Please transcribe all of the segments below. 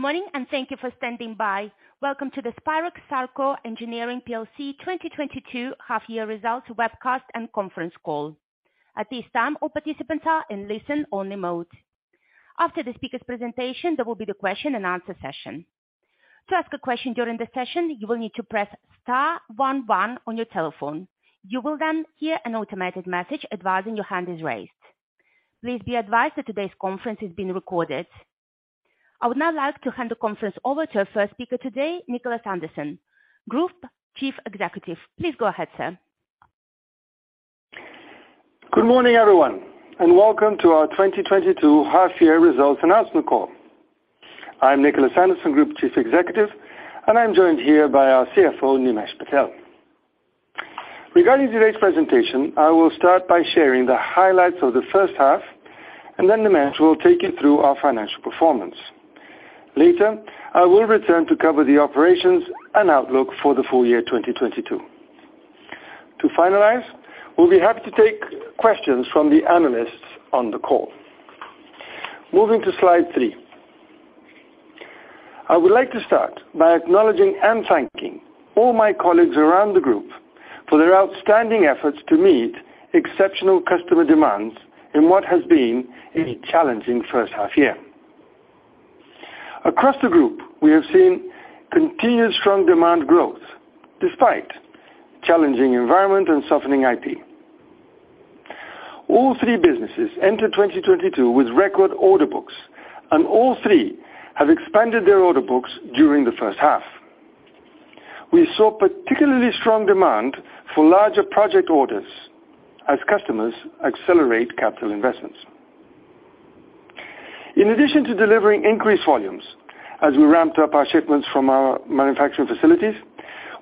Good morning, and thank you for standing by. Welcome to the Spirax Sarco Engineering plc 2022 half year results webcast and conference call. At this time, all participants are in listen-only mode. After the speaker's presentation, there will be the question and answer session. To ask a question during the session, you will need to press star one one on your telephone. You will then hear an automated message advising your hand is raised. Please be advised that today's conference is being recorded. I would now like to hand the conference over to our first speaker today, Nicholas Anderson, Group Chief Executive. Please go ahead, sir. Good morning, everyone, and welcome to our 2022 half year results announcement call. I'm Nicholas Anderson, Group Chief Executive, and I'm joined here by our CFO, Nimesh Patel. Regarding today's presentation, I will start by sharing the highlights of the first half, and then Nimesh will take you through our financial performance. Later, I will return to cover the operations and outlook for the full year 2022. To finalize, we'll be happy to take questions from the analysts on the call. Moving to slide three. I would like to start by acknowledging and thanking all my colleagues around the group for their outstanding efforts to meet exceptional customer demands in what has been a challenging first half year. Across the group, we have seen continued strong demand growth despite challenging environment and softening IP. All three businesses entered 2022 with record order books, and all three have expanded their order books during the first half. We saw particularly strong demand for larger project orders as customers accelerate capital investments. In addition to delivering increased volumes, as we ramped up our shipments from our manufacturing facilities,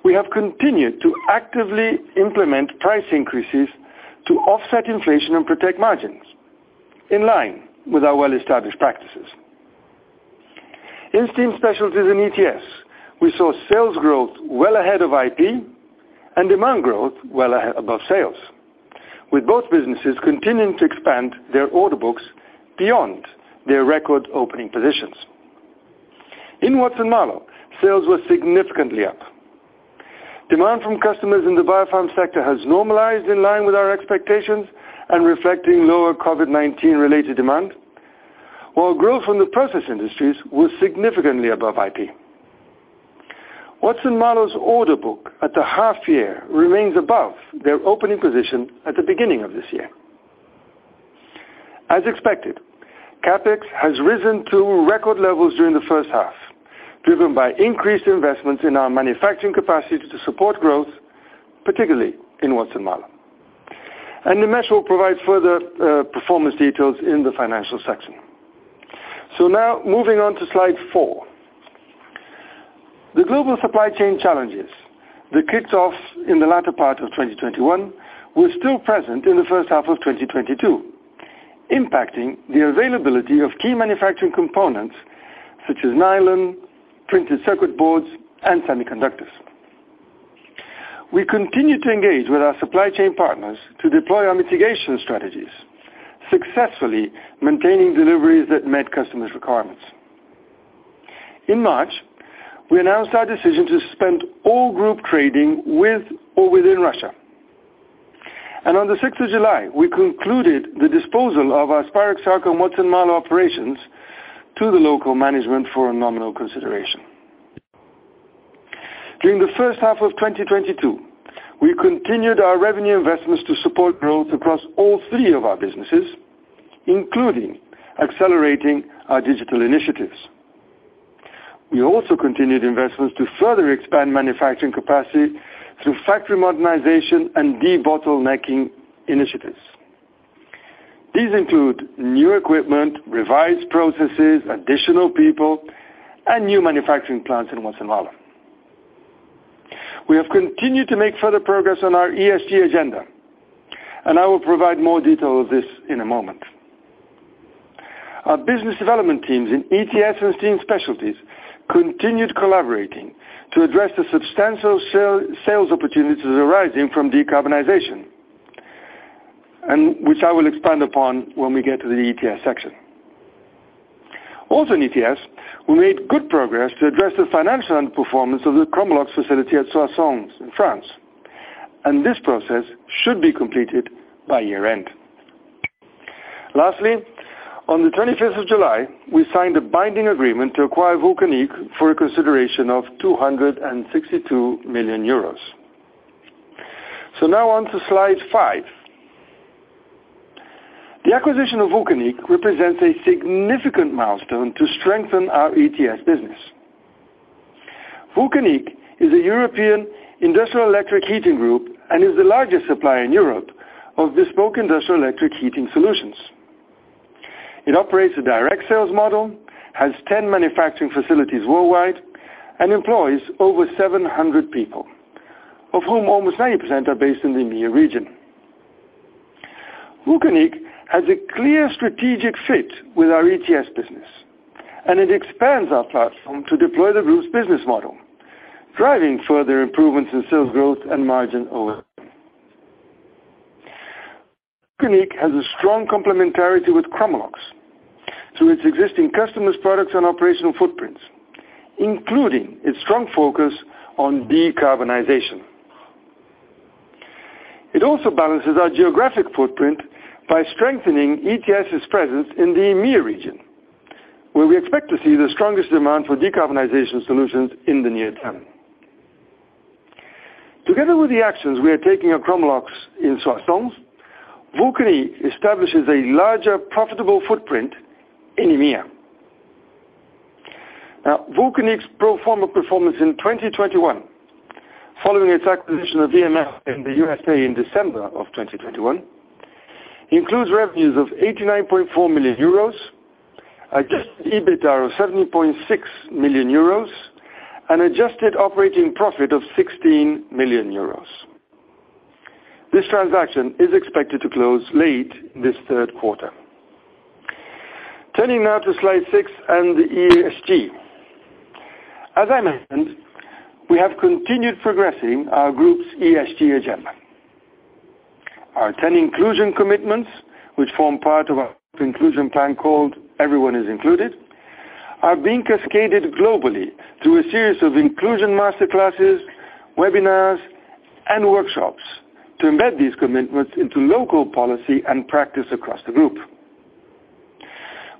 we have continued to actively implement price increases to offset inflation and protect margins in line with our well-established practices. In Steam Specialties and ETS, we saw sales growth well ahead of IP and demand growth well above sales, with both businesses continuing to expand their order books beyond their record opening positions. In Watson-Marlow, sales were significantly up. Demand from customers in the biopharm sector has normalized in line with our expectations and reflecting lower COVID-19 related demand, while growth from the process industries was significantly above IP. Watson-Marlow's order book at the half year remains above their opening position at the beginning of this year. As expected, CapEx has risen to record levels during the first half, driven by increased investments in our manufacturing capacity to support growth, particularly in Watson-Marlow. Nimesh will provide further performance details in the financial section. Now moving on to slide four. The global supply chain challenges that kicked off in the latter part of 2021 were still present in the first half of 2022, impacting the availability of key manufacturing components such as nylon, printed circuit boards, and semiconductors. We continue to engage with our supply chain partners to deploy our mitigation strategies, successfully maintaining deliveries that met customers' requirements. In March, we announced our decision to suspend all group trading with or within Russia. On the 6th of July, we concluded the disposal of our Spirax Sarco Watson-Marlow operations to the local management for a nominal consideration. During the first half of 2022, we continued our revenue investments to support growth across all three of our businesses, including accelerating our digital initiatives. We also continued investments to further expand manufacturing capacity through factory modernization and debottlenecking initiatives. These include new equipment, revised processes, additional people, and new manufacturing plants in Watson-Marlow. We have continued to make further progress on our ESG agenda, and I will provide more detail of this in a moment. Our business development teams in ETS and Steam Specialties continued collaborating to address the substantial sales opportunities arising from decarbonization, and which I will expand upon when we get to the ETS section. In ETS, we made good progress to address the financial underperformance of the Chromalox facility at Soissons in France, and this process should be completed by year-end. Lastly, on the 25th of July, we signed a binding agreement to acquire Vulcanic for a consideration of 262 million euros. Now on to slide five. The acquisition of Vulcanic represents a significant milestone to strengthen our ETS business. Vulcanic is a European industrial electric heating group and is the largest supplier in Europe of bespoke industrial electric heating solutions. It operates a direct sales model, has 10 manufacturing facilities worldwide, and employs over 700 people, of whom almost 90% are based in the EMEA region. Vulcanic has a clear strategic fit with our ETS business, and it expands our platform to deploy the group's business model, driving further improvements in sales growth and margin over time. Vulcanic has a strong complementarity with Chromalox through its existing customers, products, and operational footprints, including its strong focus on decarbonization. It also balances our geographic footprint by strengthening ETS's presence in the EMEA region, where we expect to see the strongest demand for decarbonization solutions in the near term. Together with the actions we are taking at Chromalox in Soissons, Vulcanic establishes a larger profitable footprint in EMEA. Now, Vulcanic's pro forma performance in 2021, following its acquisition of VMF in the USA in December 2021, includes revenues of 89.4 million euros, adjusted EBITDA of 17.6 million euros, and adjusted operating profit of 16 million euros. This transaction is expected to close late this third quarter. Turning now to slide six and the ESG. As I mentioned, we have continued progressing our group's ESG agenda. Our ten inclusion commitments, which form part of our inclusion plan called Everyone is Included, are being cascaded globally through a series of inclusion master classes, webinars, and workshops to embed these commitments into local policy and practice across the group.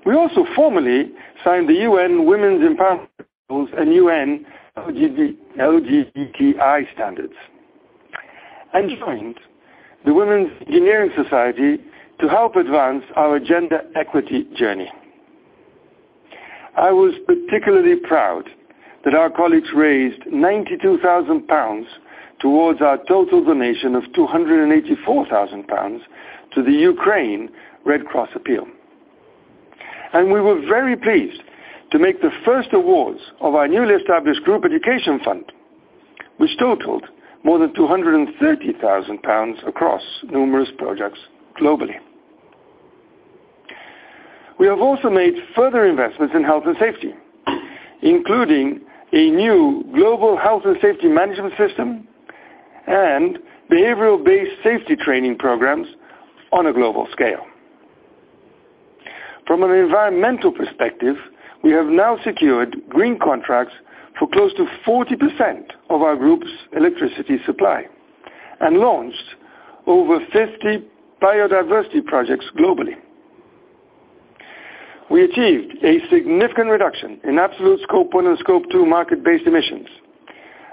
We also formally signed the UN Women's Empowerment Principles and UN LGBTI Standards, and joined the Women's Engineering Society to help advance our gender equity journey. I was particularly proud that our colleagues raised 92,000 pounds towards our total donation of 284,000 pounds to the Ukraine Red Cross Appeal. We were very pleased to make the first awards of our newly established group education fund, which totaled more than 230,000 pounds across numerous projects globally. We have also made further investments in health and safety, including a new global health and safety management system and behavioral-based safety training programs on a global scale. From an environmental perspective, we have now secured green contracts for close to 40% of our group's electricity supply and launched over 50 biodiversity projects globally. We achieved a significant reduction in absolute Scope 1 and Scope 2 market-based emissions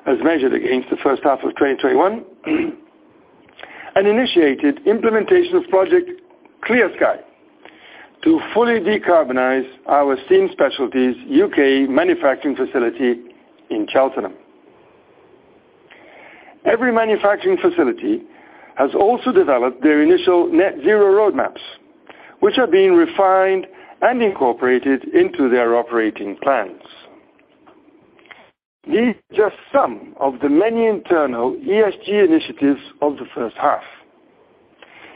as measured against the first half of 2021, and initiated implementation of Project Clear Sky to fully decarbonize our Steam Specialties U.K. manufacturing facility in Cheltenham. Every manufacturing facility has also developed their initial net zero roadmaps, which are being refined and incorporated into their operating plans. These are just some of the many internal ESG initiatives of the first half.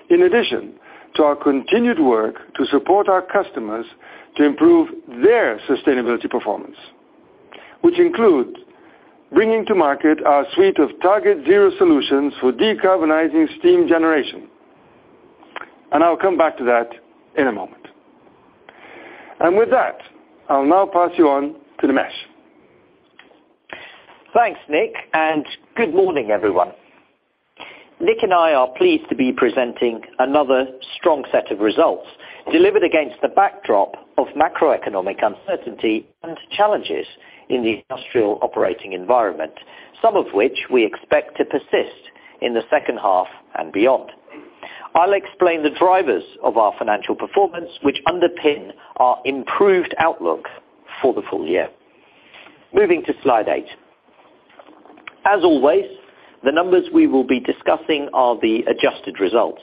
In addition to our continued work to support our customers to improve their sustainability performance, which includes bringing to market our suite of TargetZero solutions for decarbonizing steam generation, and I'll come back to that in a moment. With that, I'll now pass you on to Nimesh. Thanks, Nick, and good morning, everyone. Nick and I are pleased to be presenting another strong set of results delivered against the backdrop of macroeconomic uncertainty and challenges in the industrial operating environment, some of which we expect to persist in the second half and beyond. I'll explain the drivers of our financial performance, which underpin our improved outlook for the full year. Moving to slide eight. As always, the numbers we will be discussing are the adjusted results.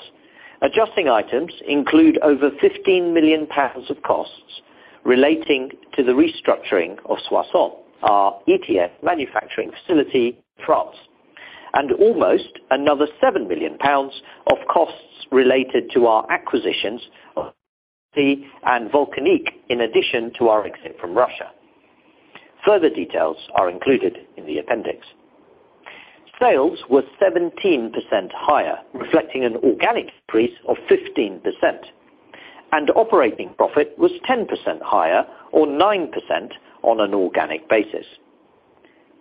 Adjusting items include over 15 million pounds of costs relating to the restructuring of Soissons, our ETS manufacturing facility in France, and almost another 7 million pounds of costs related to our acquisitions of Cotopaxi and Vulcanic, in addition to our exit from Russia. Further details are included in the appendix. Sales were 17% higher, reflecting an organic increase of 15%, and operating profit was 10% higher or 9% on an organic basis.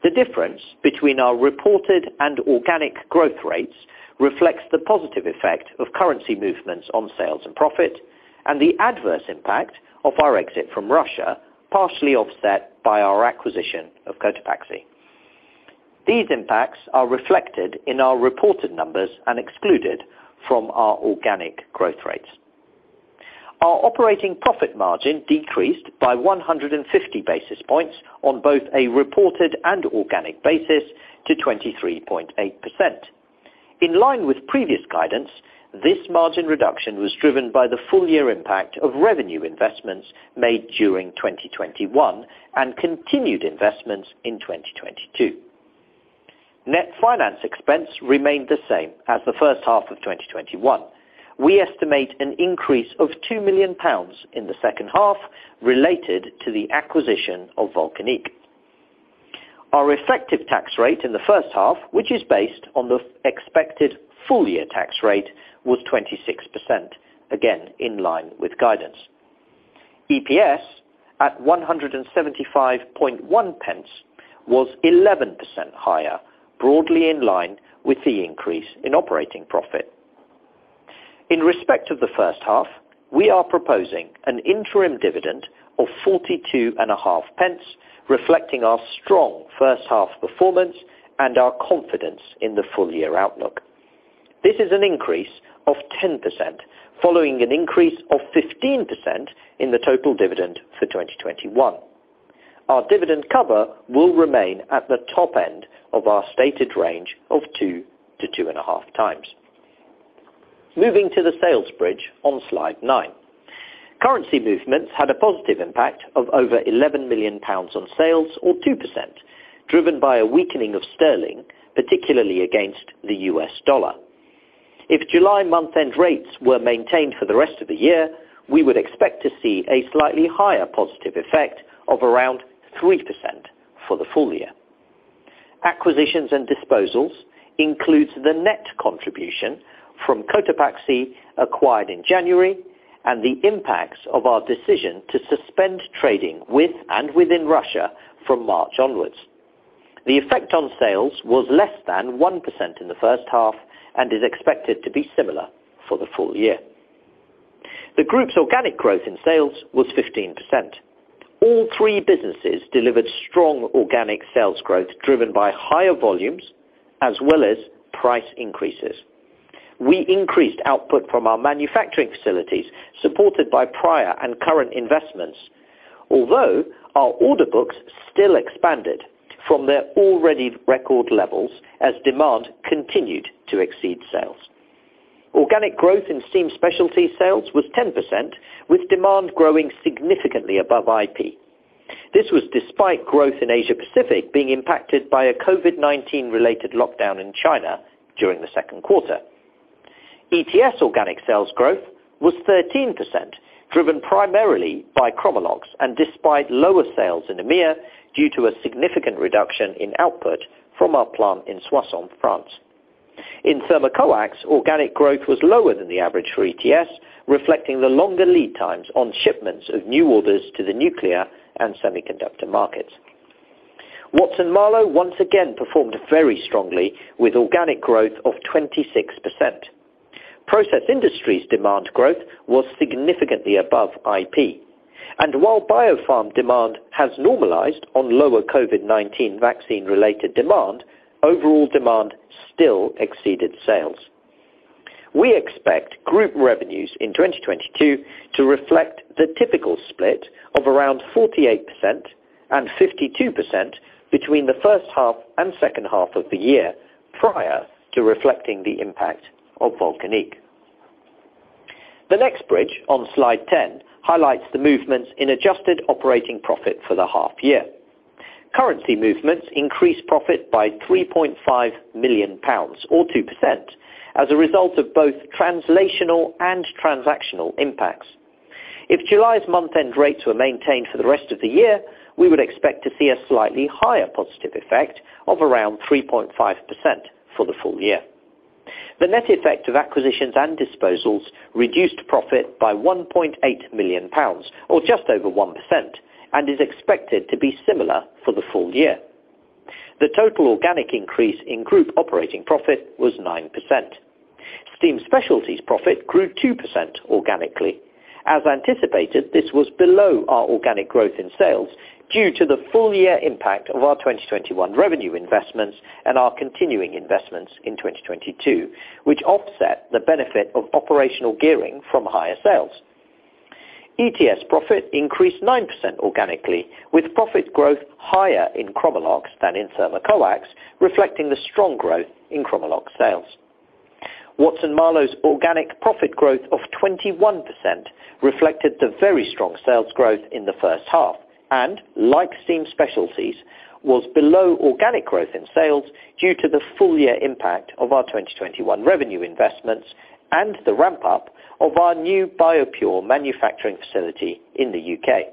The difference between our reported and organic growth rates reflects the positive effect of currency movements on sales and profit and the adverse impact of our exit from Russia, partially offset by our acquisition of Cotopaxi. These impacts are reflected in our reported numbers and excluded from our organic growth rates. Our operating profit margin decreased by 150 basis points on both a reported and organic basis to 23.8%. In line with previous guidance, this margin reduction was driven by the full year impact of revenue investments made during 2021 and continued investments in 2022. Net finance expense remained the same as the first half of 2021. We estimate an increase of 2 million pounds in the second half related to the acquisition of Vulcanic. Our effective tax rate in the first half, which is based on the expected full year tax rate, was 26%, again in line with guidance. EPS at 175.1 pence was 11% higher, broadly in line with the increase in operating profit. In respect of the first half, we are proposing an interim dividend of 0.425, reflecting our strong first half performance and our confidence in the full year outlook. This is an increase of 10%, following an increase of 15% in the total dividend for 2021. Our dividend cover will remain at the top end of our stated range of 2x-2.5x. Moving to the sales bridge on slide nine. Currency movements had a positive impact of over 11 million pounds on sales or 2%, driven by a weakening of sterling, particularly against the US dollar. If July month-end rates were maintained for the rest of the year, we would expect to see a slightly higher positive effect of around 3% for the full year. Acquisitions and disposals includes the net contribution from Cotopaxi, acquired in January, and the impacts of our decision to suspend trading with and within Russia from March onwards. The effect on sales was less than 1% in the first half and is expected to be similar for the full year. The group's organic growth in sales was 15%. All three businesses delivered strong organic sales growth, driven by higher volumes as well as price increases. We increased output from our manufacturing facilities, supported by prior and current investments. Although our order books still expanded from their already record levels as demand continued to exceed sales. Organic growth in Steam Specialties sales was 10%, with demand growing significantly above IP. This was despite growth in Asia-Pacific being impacted by a COVID-19 related lockdown in China during the second quarter. ETS organic sales growth was 13%, driven primarily by Chromalox, and despite lower sales in EMEA due to a significant reduction in output from our plant in Soissons, France. In Thermocoax, organic growth was lower than the average for ETS, reflecting the longer lead times on shipments of new orders to the nuclear and semiconductor markets. Watson-Marlow once again performed very strongly with organic growth of 26%. Process Industries demand growth was significantly above IP. While Biopharm demand has normalized on lower COVID-19 vaccine related demand, overall demand still exceeded sales. We expect group revenues in 2022 to reflect the typical split of around 48% and 52% between the first half and second half of the year, prior to reflecting the impact of Vulcanic. The next bridge on slide 10 highlights the movements in adjusted operating profit for the half year. Currency movements increased profit by 3.5 million pounds or 2% as a result of both translational and transactional impacts. If July's month-end rates were maintained for the rest of the year, we would expect to see a slightly higher positive effect of around 3.5% for the full year. The net effect of acquisitions and disposals reduced profit by 1.8 million pounds, or just over 1%, and is expected to be similar for the full year. The total organic increase in group operating profit was 9%. Steam Specialties profit grew 2% organically. As anticipated, this was below our organic growth in sales due to the full year impact of our 2021 revenue investments and our continuing investments in 2022, which offset the benefit of operational gearing from higher sales. ETS profit increased 9% organically, with profit growth higher in Chromalox than in Thermocoax, reflecting the strong growth in Chromalox sales. Watson-Marlow's organic profit growth of 21% reflected the very strong sales growth in the first half, and like Steam Specialties, was below organic growth in sales due to the full year impact of our 2021 revenue investments and the ramp up of our new BioPure manufacturing facility in the U.K.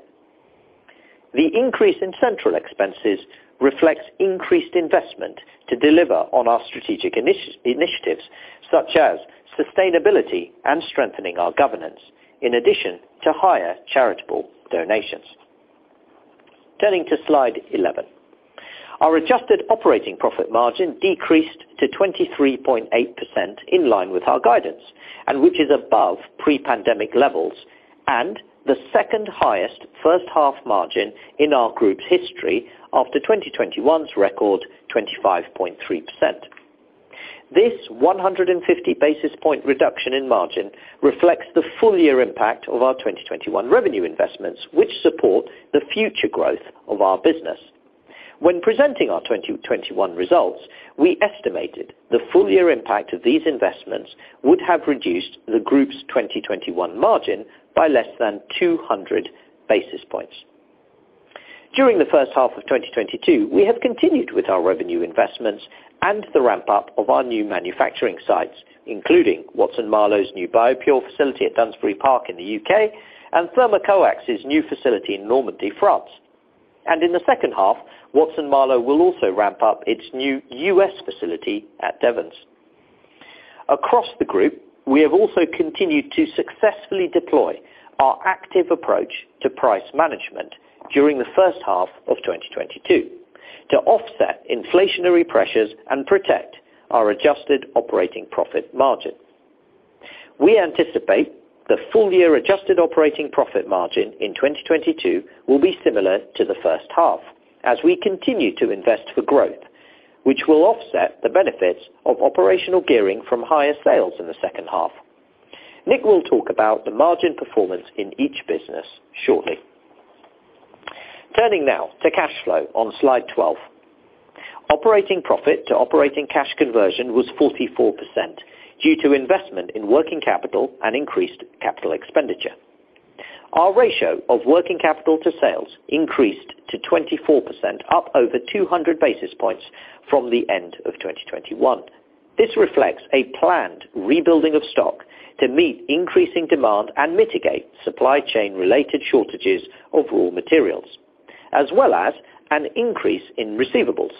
The increase in central expenses reflects increased investment to deliver on our strategic initiatives, such as sustainability and strengthening our governance, in addition to higher charitable donations. Turning to slide 11. Our adjusted operating profit margin decreased to 23.8% in line with our guidance, and which is above pre-pandemic levels, and the second highest first half margin in our group's history after 2021's record 25.3%. This 150 basis point reduction in margin reflects the full year impact of our 2021 revenue investments, which support the future growth of our business. When presenting our 2021 results, we estimated the full year impact of these investments would have reduced the group's 2021 margin by less than 200 basis points. During the first half of 2022, we have continued with our revenue investments and the ramp up of our new manufacturing sites, including Watson-Marlow's new BioPure facility at Dunsbury Park in the U.K and Thermocoax's new facility in Normandy, France. In the second half, Watson-Marlow will also ramp up its new U.S. facility at Devens. Across the group, we have also continued to successfully deploy our active approach to price management during the first half of 2022 to offset inflationary pressures and protect our adjusted operating profit margin. We anticipate the full year adjusted operating profit margin in 2022 will be similar to the first half as we continue to invest for growth, which will offset the benefits of operational gearing from higher sales in the second half. Nick will talk about the margin performance in each business shortly. Turning now to cash flow on slide 12. Operating profit to operating cash conversion was 44% due to investment in working capital and increased capital expenditure. Our ratio of working capital to sales increased to 24%, up over 200 basis points from the end of 2021. This reflects a planned rebuilding of stock to meet increasing demand and mitigate supply chain related shortages of raw materials, as well as an increase in receivables.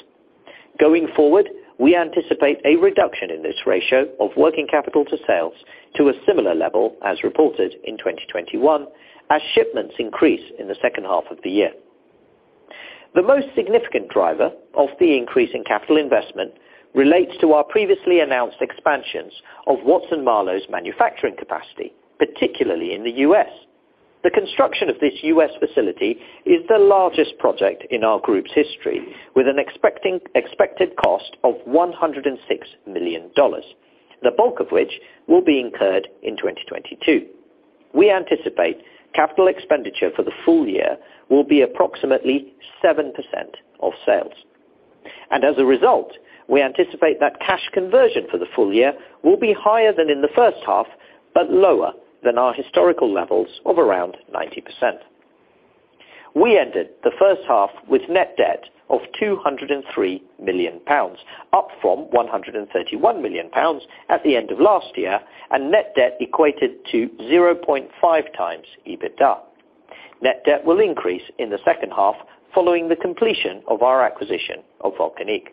Going forward, we anticipate a reduction in this ratio of working capital to sales to a similar level as reported in 2021 as shipments increase in the second half of the year. The most significant driver of the increase in capital investment relates to our previously announced expansions of Watson-Marlow's manufacturing capacity, particularly in the US. The construction of this US facility is the largest project in our group's history, with an expected cost of $106 million, the bulk of which will be incurred in 2022. We anticipate capital expenditure for the full year will be approximately 7% of sales. As a result, we anticipate that cash conversion for the full year will be higher than in the first half, but lower than our historical levels of around 90%. We ended the first half with net debt of 203 million pounds, up from 131 million pounds at the end of last year, and net debt equated to 0.5x EBITDA. Net debt will increase in the second half following the completion of our acquisition of Vulcanic.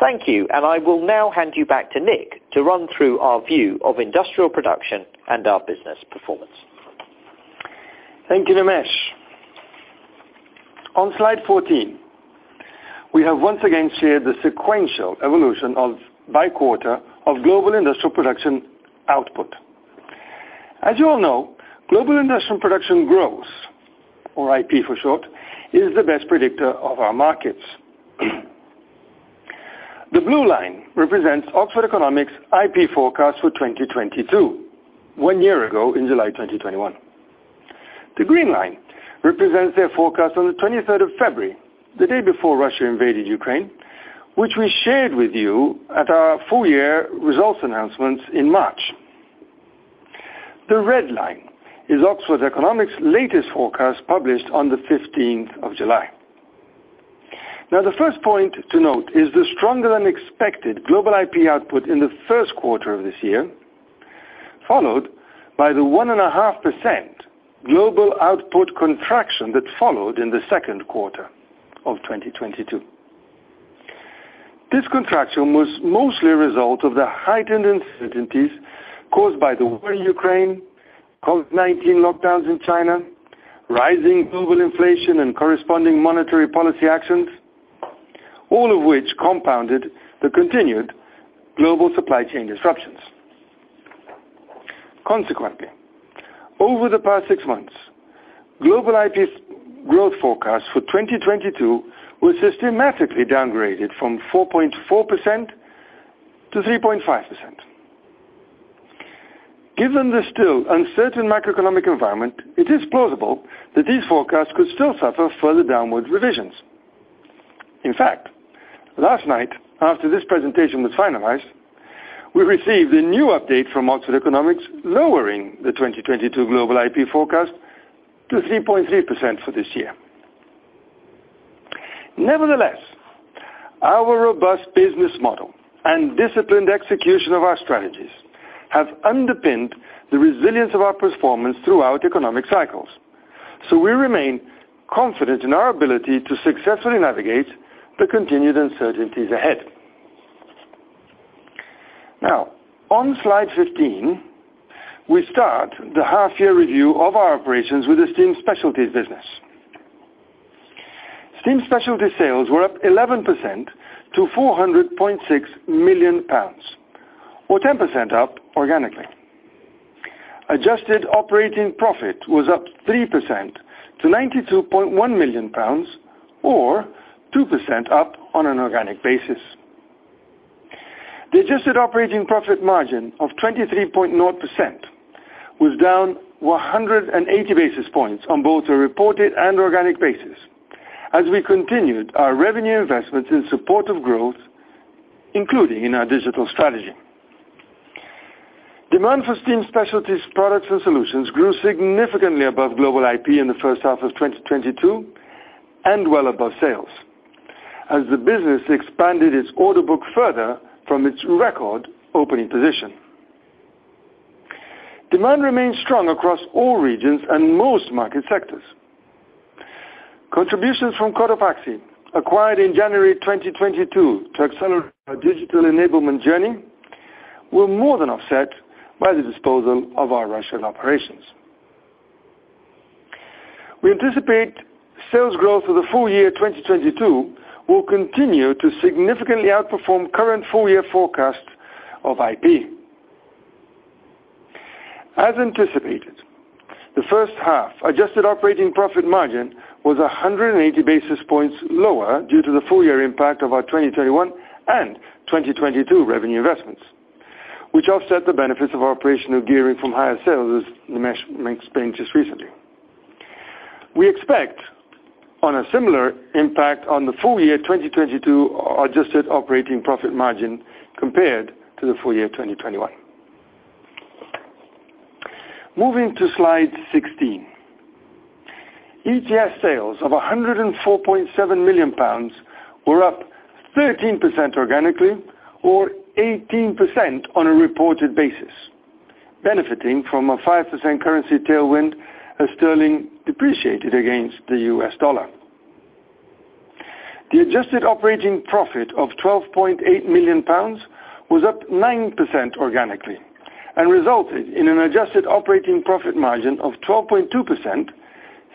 Thank you, and I will now hand you back to Nick to run through our view of industrial production and our business performance. Thank you, Nimesh. On slide 14, we have once again shared the sequential evolution by quarter of global industrial production output. As you all know, global industrial production growth, or IP for short, is the best predictor of our markets. The blue line represents Oxford Economics IP forecast for 2022, one year ago in July 2021. The green line represents their forecast on the 23rd of February, the day before Russia invaded Ukraine, which we shared with you at our full year results announcements in March. The red line is Oxford Economics latest forecast published on the 15th of July. Now, the first point to note is the stronger than expected global IP output in the first quarter of this year, followed by the 1.5% global output contraction that followed in the second quarter of 2022. This contraction was mostly a result of the heightened uncertainties caused by the war in Ukraine, COVID-19 lockdowns in China, rising global inflation, and corresponding monetary policy actions, all of which compounded the continued global supply chain disruptions. Consequently, over the past six months, global IP growth forecast for 2022 was systematically downgraded from 4.4% to 3.5%. Given the still uncertain macroeconomic environment, it is plausible that these forecasts could still suffer further downward revisions. In fact, last night, after this presentation was finalized, we received a new update from Oxford Economics lowering the 2022 global IP forecast to 3.3% for this year. Nevertheless, our robust business model and disciplined execution of our strategies have underpinned the resilience of our performance throughout economic cycles. We remain confident in our ability to successfully navigate the continued uncertainties ahead. Now, on slide 15, we start the half year review of our operations with the Steam Specialties business. Steam Specialties sales were up 11% to 400.6 million pounds, or 10% up organically. Adjusted operating profit was up 3% to 92.1 million pounds, or 2% up on an organic basis. The adjusted operating profit margin of 23.0% was down 180 basis points on both a reported and organic basis as we continued our revenue investments in support of growth, including in our digital strategy. Demand for Steam Specialties products and solutions grew significantly above global IP in the first half of 2022 and well above sales as the business expanded its order book further from its record opening position. Demand remains strong across all regions and most market sectors. Contributions from Cotopaxi, acquired in January 2022 to accelerate our digital enablement journey, were more than offset by the disposal of our Russian operations. We anticipate sales growth for the full year 2022 will continue to significantly outperform current full-year forecast of IP. As anticipated, the first half adjusted operating profit margin was 180 basis points lower due to the full-year impact of our 2021 and 2022 revenue investments, which offset the benefits of our operational gearing from higher sales, as Nimesh explained just recently. We expect a similar impact on the full year 2022 adjusted operating profit margin compared to the full year 2021. Moving to Slide 16. ETS sales of 104.7 million pounds were up 13% organically or 18% on a reported basis, benefiting from a 5% currency tailwind as sterling depreciated against the US dollar. The adjusted operating profit of 12.8 million pounds was up 9% organically and resulted in an adjusted operating profit margin of 12.2%,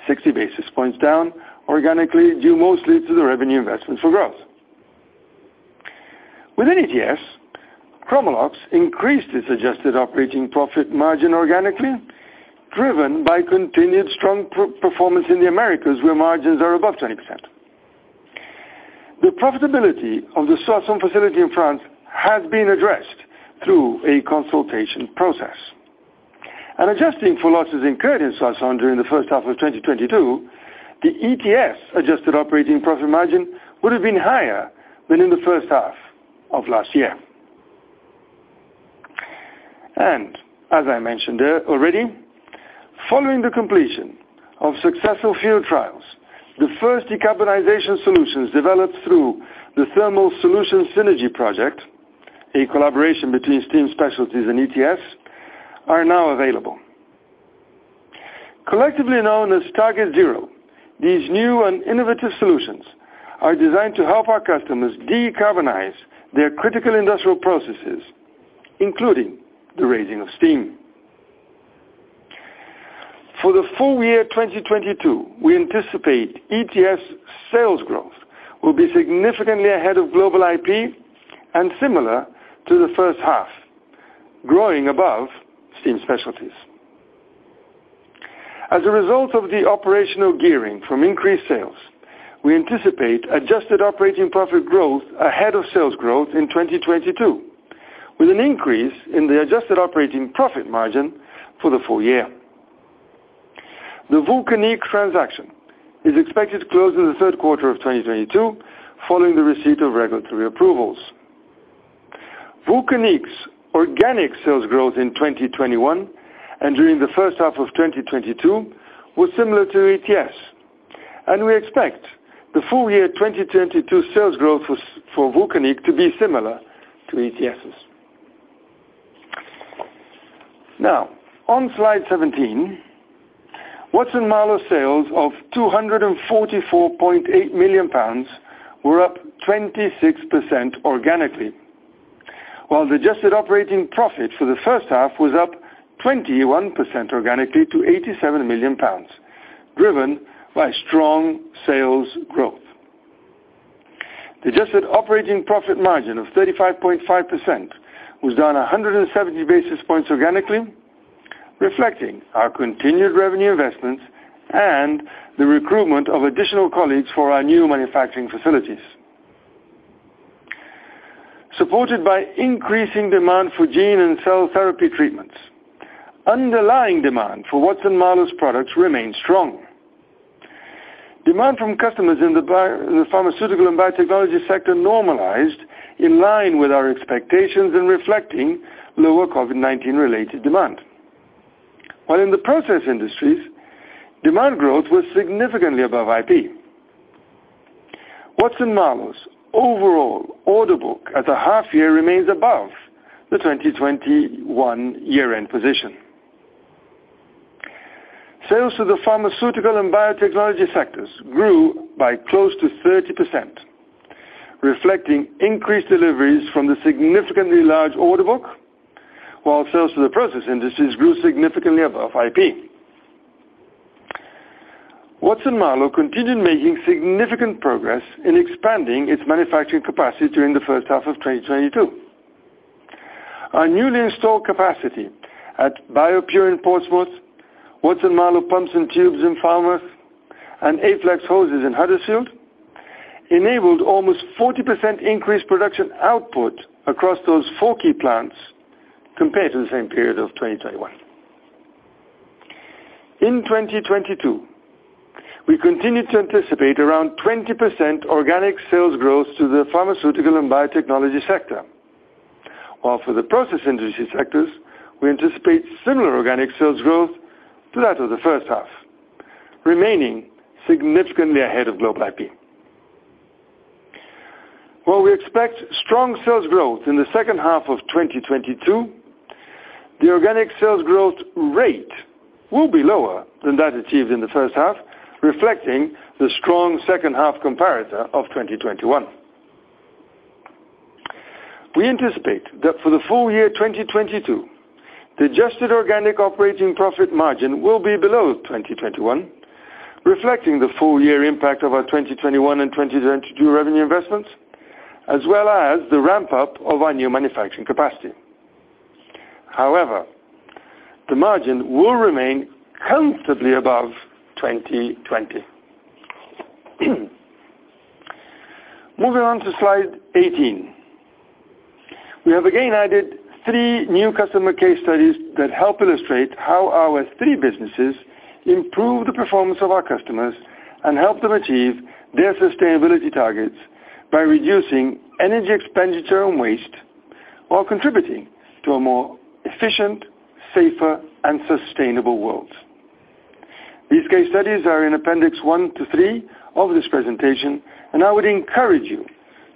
60 basis points down organically, due mostly to the revenue investment for growth. Within ETS, Chromalox increased its adjusted operating profit margin organically, driven by continued strong price-performance in the Americas, where margins are above 20%. The profitability of the Soissons facility in France has been addressed through a consultation process. Adjusting for losses incurred in Soissons during the first half of 2022, the ETS adjusted operating profit margin would have been higher than in the first half of last year. As I mentioned there already, following the completion of successful field trials, the first decarbonization solutions developed through the Thermal Solutions Synergy project, a collaboration between Steam Specialties and ETS, are now available. Collectively known as TargetZero, these new and innovative solutions are designed to help our customers decarbonize their critical industrial processes, including the raising of steam. For the full year 2022, we anticipate ETS sales growth will be significantly ahead of global IP and similar to the first half, growing above Steam Specialties. As a result of the operational gearing from increased sales, we anticipate adjusted operating profit growth ahead of sales growth in 2022, with an increase in the adjusted operating profit margin for the full year. The Vulcanic transaction is expected to close in the third quarter of 2022, following the receipt of regulatory approvals. Vulcanic's organic sales growth in 2021 and during the first half of 2022 was similar to ETS. We expect the full year 2022 sales growth for Vulcanic to be similar to ETS's. Now, on Slide 17, Watson-Marlow's sales of GBP 244.8 million were up 26% organically, while the adjusted operating profit for the first half was up 21% organically to 87 million pounds, driven by strong sales growth. The adjusted operating profit margin of 35.5% was down 170 basis points organically, reflecting our continued revenue investments and the recruitment of additional colleagues for our new manufacturing facilities. Supported by increasing demand for gene and cell therapy treatments, underlying demand for Watson-Marlow's products remains strong. Demand from customers in the pharmaceutical and biotechnology sector normalized in line with our expectations and reflecting lower COVID-19 related demand. While in the process industries, demand growth was significantly above IP. Watson-Marlow's overall order book at the half year remains above the 2021 year-end position. Sales to the pharmaceutical and biotechnology sectors grew by close to 30%, reflecting increased deliveries from the significantly large order book, while sales to the process industries grew significantly above IP. Watson-Marlow continued making significant progress in expanding its manufacturing capacity during the first half of 2022. Our newly installed capacity at BioPure in Portsmouth, Watson-Marlow Pumps and Tubing in Falmouth, and Aflex Hose in Huddersfield enabled almost 40% increased production output across those four key plants compared to the same period of 2021. In 2022, we continued to anticipate around 20% organic sales growth to the pharmaceutical and biotechnology sector. While for the process industry sectors, we anticipate similar organic sales growth to that of the first half, remaining significantly ahead of global IP. Well, we expect strong sales growth in the second half of 2022. The organic sales growth rate will be lower than that achieved in the first half, reflecting the strong second half comparator of 2021. We anticipate that for the full year 2022, the adjusted organic operating profit margin will be below 2021, reflecting the full year impact of our 2021 and 2022 revenue investments, as well as the ramp up of our new manufacturing capacity. However, the margin will remain comfortably above 2020. Moving on to slide 18. We have again added three new customer case studies that help illustrate how our three businesses improve the performance of our customers and help them achieve their sustainability targets by reducing energy expenditure and waste while contributing to a more efficient, safer, and sustainable world. These case studies are in appendix one to three of this presentation, and I would encourage you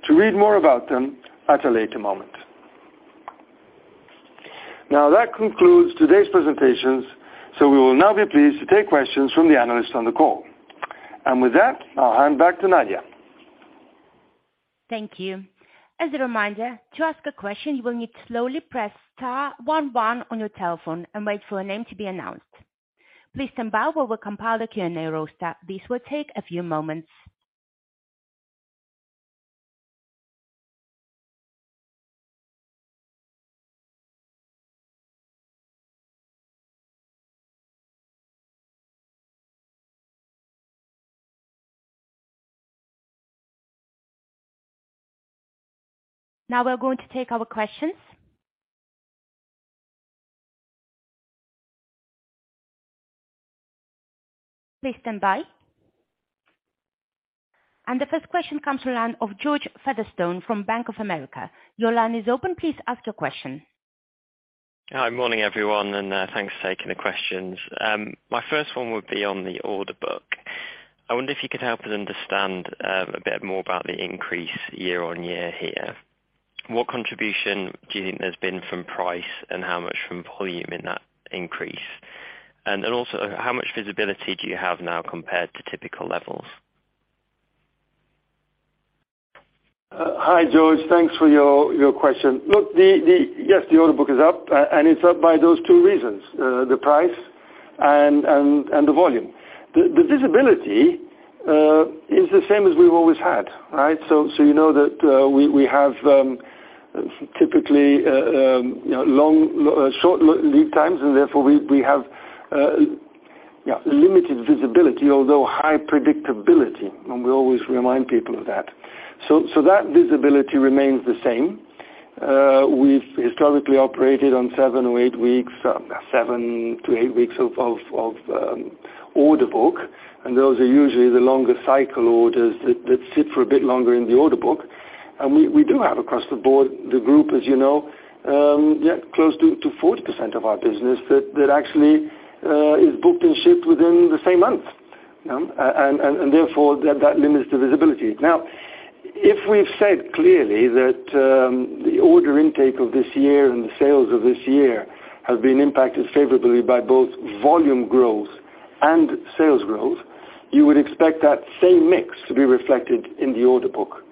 to read more about them at a later moment. Now, that concludes today's presentations, so we will now be pleased to take questions from the analysts on the call. With that, I'll hand back to Nadia. Thank you. As a reminder, to ask a question, you will need to slowly press star one one on your telephone and wait for a name to be announced. Please stand by while we compile the Q&A roster. This will take a few moments. Now we're going to take our questions. Please stand by. The first question comes to the line of George Featherstone from Bank of America. Your line is open. Please ask your question. Hi. Morning, everyone, and thanks for taking the questions. My first one would be on the order book. I wonder if you could help us understand a bit more about the increase year-over-year here. What contribution do you think there's been from price and how much from volume in that increase? And then also, how much visibility do you have now compared to typical levels? Hi, George. Thanks for your question. Look, yes, the order book is up, and it's up by those two reasons, the price and the volume. The visibility is the same as we've always had, right? You know that we have typically you know long short lead times, and therefore we have limited visibility although high predictability, and we always remind people of that. That visibility remains the same. We've historically operated on seven or eight weeks, seven to eight weeks of order book, and those are usually the longer cycle orders that sit for a bit longer in the order book. We do have across the board the group, as you know, close to 40% of our business that actually is booked and shipped within the same month. Therefore, that limits the visibility. Now, if we've said clearly that the order intake of this year and the sales of this year have been impacted favorably by both volume growth and sales growth, you would expect that same mix to be reflected in the order book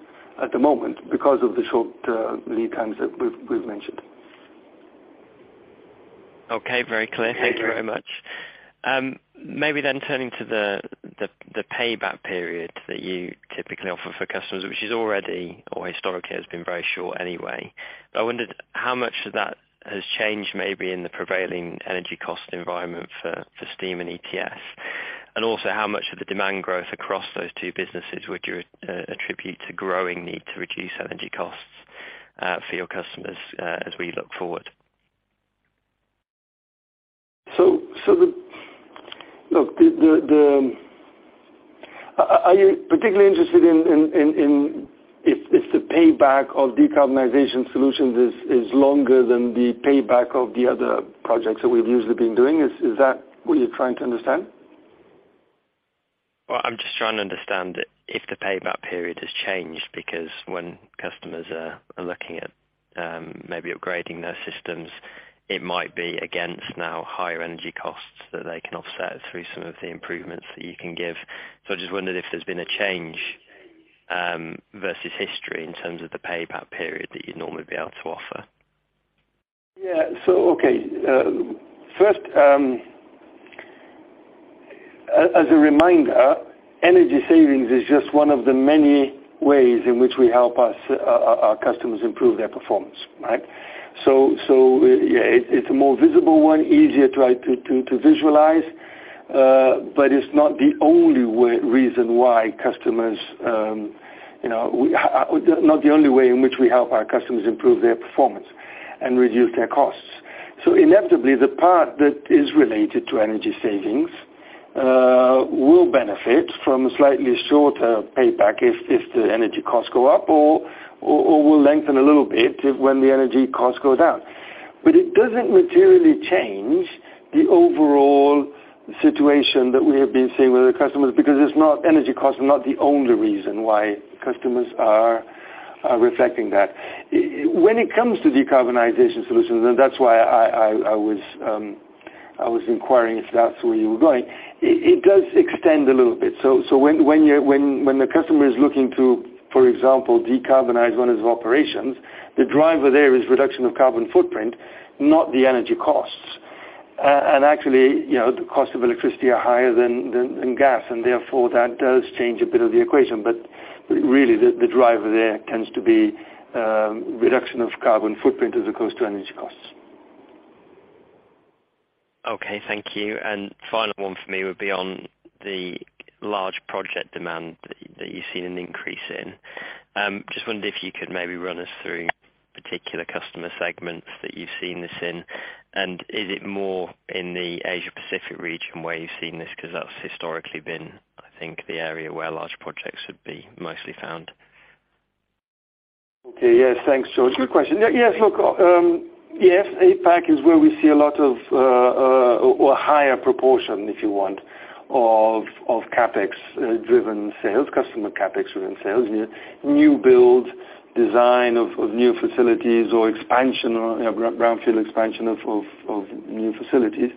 at the moment because of the short lead times that we've mentioned. Okay. Very clear. Yeah. Thank you very much. Maybe then turning to the payback period that you typically offer for customers, which is already or historically has been very short anyway. I wondered how much of that has changed maybe in the prevailing energy cost environment for steam and ETS, and also how much of the demand growth across those two businesses would you attribute to growing need to reduce energy costs for your customers as we look forward? Look, are you particularly interested in if the payback of decarbonization solutions is longer than the payback of the other projects that we've usually been doing? Is that what you're trying to understand? Well, I'm just trying to understand if the payback period has changed because when customers are looking at, maybe upgrading their systems, it might be against now higher energy costs that they can offset through some of the improvements that you can give. I just wondered if there's been a change versus history in terms of the payback period that you'd normally be able to offer. Yeah. Okay. First, as a reminder, energy savings is just one of the many ways in which we help our customers improve their performance, right? Yeah, it's a more visible one, easier to visualize, but it's not the only way in which we help our customers improve their performance and reduce their costs. Inevitably, the part that is related to energy savings will benefit from a slightly shorter payback if the energy costs go up, or will lengthen a little bit when the energy costs go down. It doesn't materially change the overall situation that we have been seeing with the customers because energy costs are not the only reason why customers are reflecting that. When it comes to decarbonization solutions, and that's why I was inquiring if that's where you were going. It does extend a little bit. When the customer is looking to, for example, decarbonize one of their operations, the driver there is reduction of carbon footprint, not the energy costs. Actually, you know, the cost of electricity are higher than gas, and therefore that does change a bit of the equation. Really the driver there tends to be reduction of carbon footprint as opposed to energy costs. Okay. Thank you. Final one for me would be on the large project demand that you've seen an increase in. Just wondered if you could maybe run us through particular customer segments that you've seen this in, and is it more in the Asia Pacific region where you've seen this? 'Cause that's historically been, I think, the area where large projects would be mostly found. Okay. Yes, thanks, George. Good question. Yes. Look, yes, APAC is where we see a lot of or higher proportion, if you want, of CapEx driven sales, customer CapEx driven sales. New build design of new facilities or expansion or, you know, brownfield expansion of new facilities.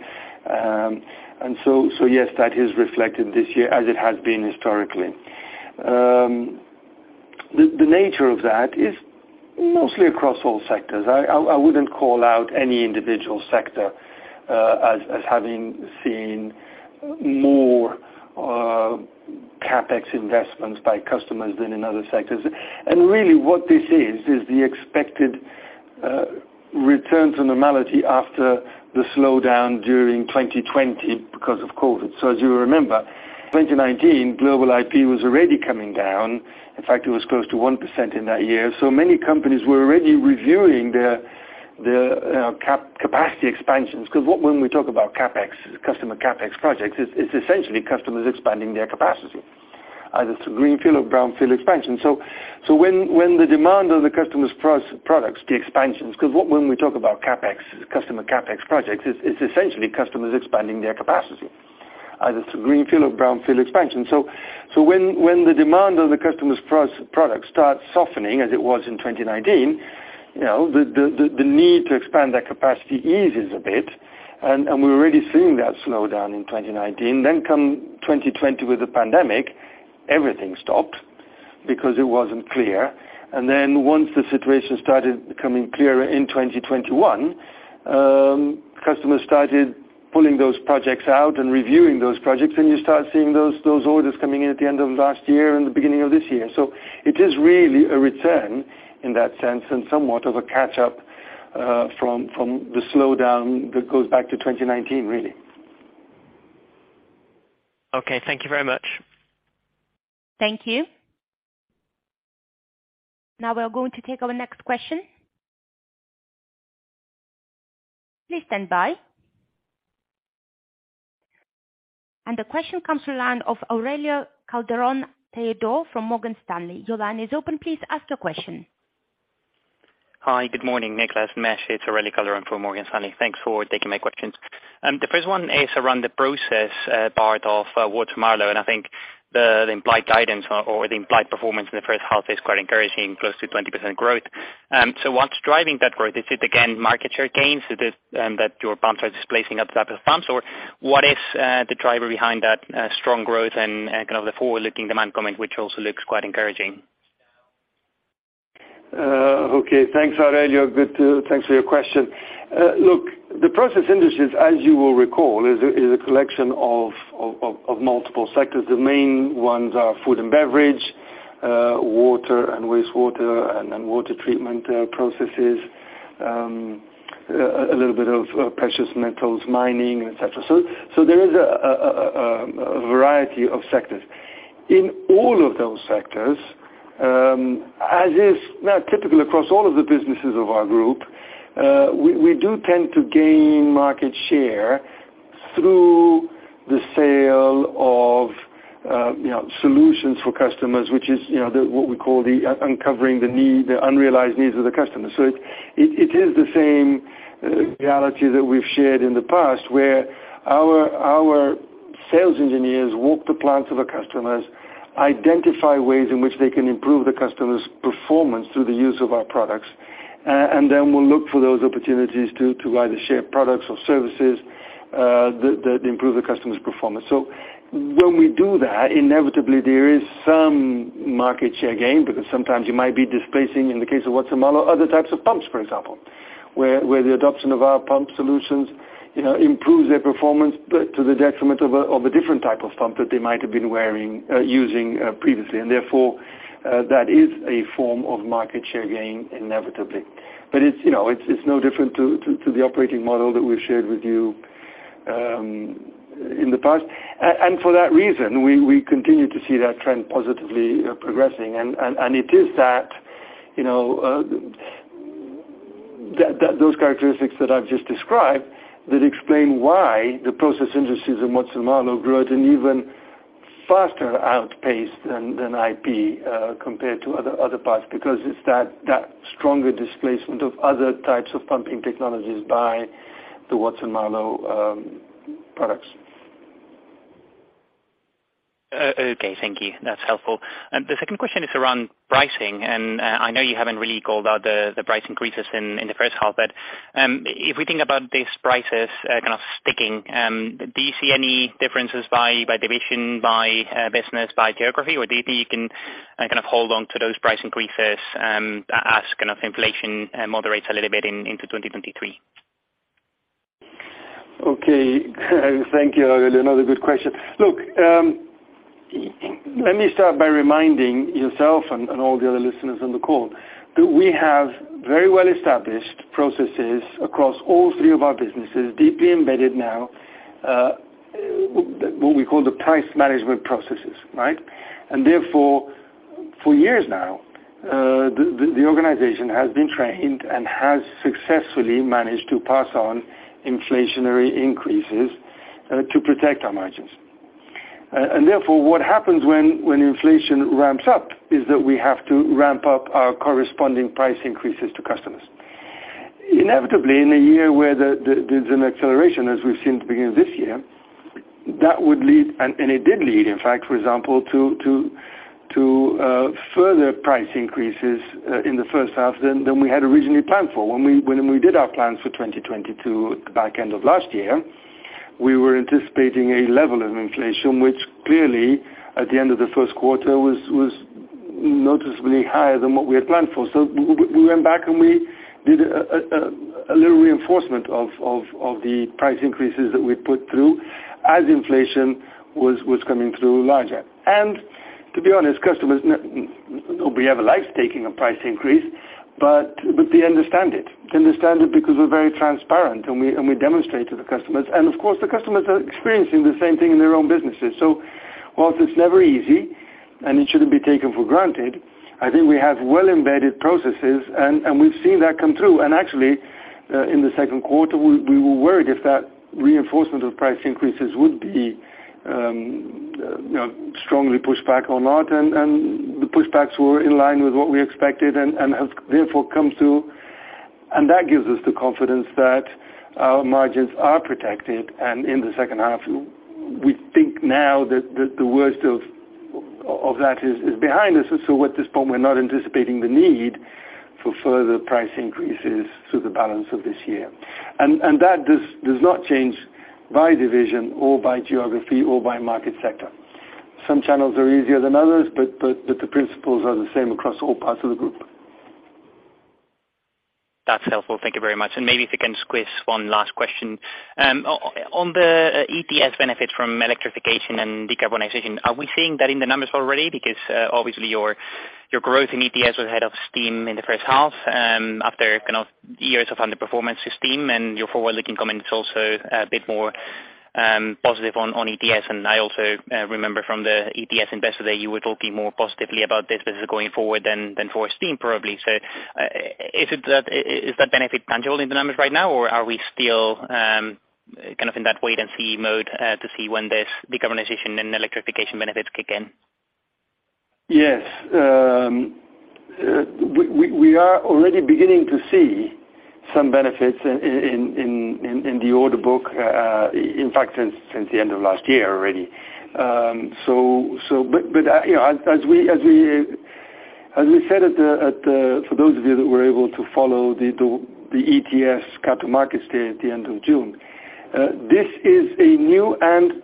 Yes, that is reflected this year as it has been historically. The nature of that is mostly across all sectors. I wouldn't call out any individual sector as having seen more CapEx investments by customers than in other sectors. Really what this is is the expected return to normality after the slowdown during 2020 because of COVID. As you remember, 2019 global IP was already coming down. In fact, it was close to 1% in that year. Many companies were already reviewing their capacity expansions. When we talk about CapEx, customer CapEx projects, it's essentially customers expanding their capacity, either it's a greenfield or brownfield expansion. When the demand for the customer's products starts softening, as it was in 2019, you know, the need to expand their capacity eases a bit, and we're already seeing that slowdown in 2019. Come 2020 with the pandemic, everything stopped because it wasn't clear. Once the situation started becoming clearer in 2021, customers started pulling those projects out and reviewing those projects, and you start seeing those orders coming in at the end of last year and the beginning of this year. It is really a return in that sense and somewhat of a catch up, from the slowdown that goes back to 2019, really. Okay. Thank you very much. Thank you. Now we are going to take our next question. Please stand by. The question comes to line of Aurelio Calderon Tejedor from Morgan Stanley. Your line is open. Please ask your question. Hi. Good morning, Nicholas, Nimesh. It's Aurelio Calderon from Morgan Stanley. Thanks for taking my questions. The first one is around the process part of Watson-Marlow, and I think the implied guidance or the implied performance in the first half is quite encouraging, close to 20% growth. So what's driving that growth? Is it again, market share gains that your pumps are displacing other types of pumps? Or what is the driver behind that strong growth and kind of the forward-looking demand comment, which also looks quite encouraging? Okay. Thanks, Aurelio. Thanks for your question. Look, the process industries, as you will recall, is a collection of multiple sectors. The main ones are food and beverage, water and wastewater, and then water treatment processes, a little bit of precious metals mining, et cetera. There is a variety of sectors. In all of those sectors, as is typical across all of the businesses of our group, we do tend to gain market share through the sale of, you know, solutions for customers, which is, you know, the uncovering the need, the unrealized needs of the customer. It is the same reality that we've shared in the past, where our sales engineers walk the plants of the customers, identify ways in which they can improve the customer's performance through the use of our products, and then we'll look for those opportunities to either share products or services that improve the customer's performance. When we do that, inevitably there is some market share gain, because sometimes you might be displacing, in the case of Watson-Marlow, other types of pumps, for example, where the adoption of our pump solutions, you know, improves their performance to the detriment of a different type of pump that they might have been using previously. Therefore, that is a form of market share gain inevitably. It's, you know, it's no different to the operating model that we've shared with you in the past. For that reason, we continue to see that trend positively progressing. It is that, you know, that those characteristics that I've just described that explain why the process industries and Watson-Marlow growth in even faster outpace than IP compared to other parts, because it's that stronger displacement of other types of pumping technologies by the Watson-Marlow products. Okay. Thank you. That's helpful. The second question is around pricing, and I know you haven't really called out the price increases in the first half, but if we think about these prices kind of sticking, do you see any differences by division, by business, by geography? Or do you think you can kind of hold on to those price increases as kind of inflation moderates a little bit into 2023? Okay. Thank you, Raul. Another good question. Look, let me start by reminding yourself and all the other listeners on the call that we have very well-established processes across all three of our businesses, deeply embedded now, what we call the price management processes, right? Therefore, for years now, the organization has been trained and has successfully managed to pass on inflationary increases to protect our margins. Therefore, what happens when inflation ramps up is that we have to ramp up our corresponding price increases to customers. Inevitably, in a year where there's an acceleration, as we've seen at the beginning of this year, that would lead, and it did lead, in fact, for example, to further price increases in the first half than we had originally planned for. When we did our plans for 2022 at the back end of last year, we were anticipating a level of inflation, which clearly, at the end of the first quarter, was noticeably higher than what we had planned for. We went back, and we did a little reinforcement of the price increases that we put through as inflation was coming through larger. To be honest, customers, nobody ever likes taking a price increase, but they understand it. They understand it because we're very transparent, and we demonstrate to the customers. Of course, the customers are experiencing the same thing in their own businesses. While it's never easy, and it shouldn't be taken for granted, I think we have well-embedded processes, and we've seen that come through. Actually, in the second quarter, we were worried if that reinforcement of price increases would be, you know, strongly pushed back or not, and the pushbacks were in line with what we expected and have therefore come through. That gives us the confidence that our margins are protected. In the second half, we think now that the worst of that is behind us. At this point, we're not anticipating the need for further price increases through the balance of this year. That does not change by division or by geography or by market sector. Some channels are easier than others, but the principles are the same across all parts of the group. That's helpful. Thank you very much. Maybe if I can squeeze one last question. On the ETS benefit from electrification and decarbonization, are we seeing that in the numbers already? Because obviously your growth in ETS was ahead of steam in the first half, after kind of years of underperformance to steam, and your forward-looking comment is also a bit more positive on ETS. I also remember from the ETS Investor Day, you were talking more positively about this business going forward than for steam probably. Is that benefit tangible in the numbers right now? Or are we still kind of in that wait and see mode to see when this decarbonization and electrification benefits kick in? Yes. We are already beginning to see some benefits in the order book, in fact, since the end of last year already. So you know, as we said, for those of you that were able to follow the ETS Capital Markets Day at the end of June, this is a new and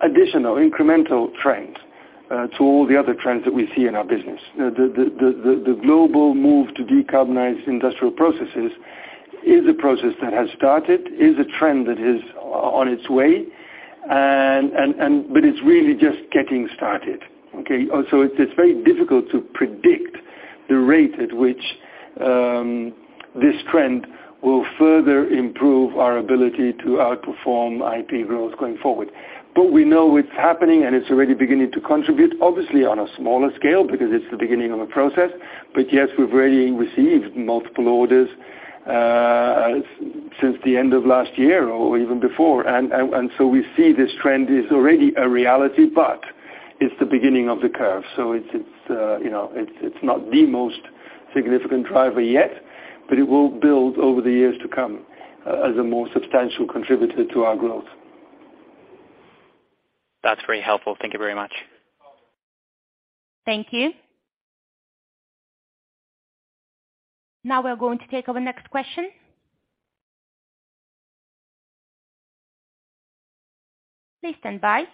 additional incremental trend to all the other trends that we see in our business. The global move to decarbonize industrial processes is a process that has started, is a trend that is on its way. It's really just getting started, okay? Also, it's very difficult to predict the rate at which this trend will further improve our ability to outperform IP growth going forward. We know it's happening, and it's already beginning to contribute, obviously on a smaller scale, because it's the beginning of a process. Yes, we've already received multiple orders, since the end of last year or even before. We see this trend is already a reality, but it's the beginning of the curve. It's you know, it's not the most significant driver yet, but it will build over the years to come as a more substantial contributor to our growth. That's very helpful. Thank you very much. Thank you. Now we're going to take our next question. Please stand by.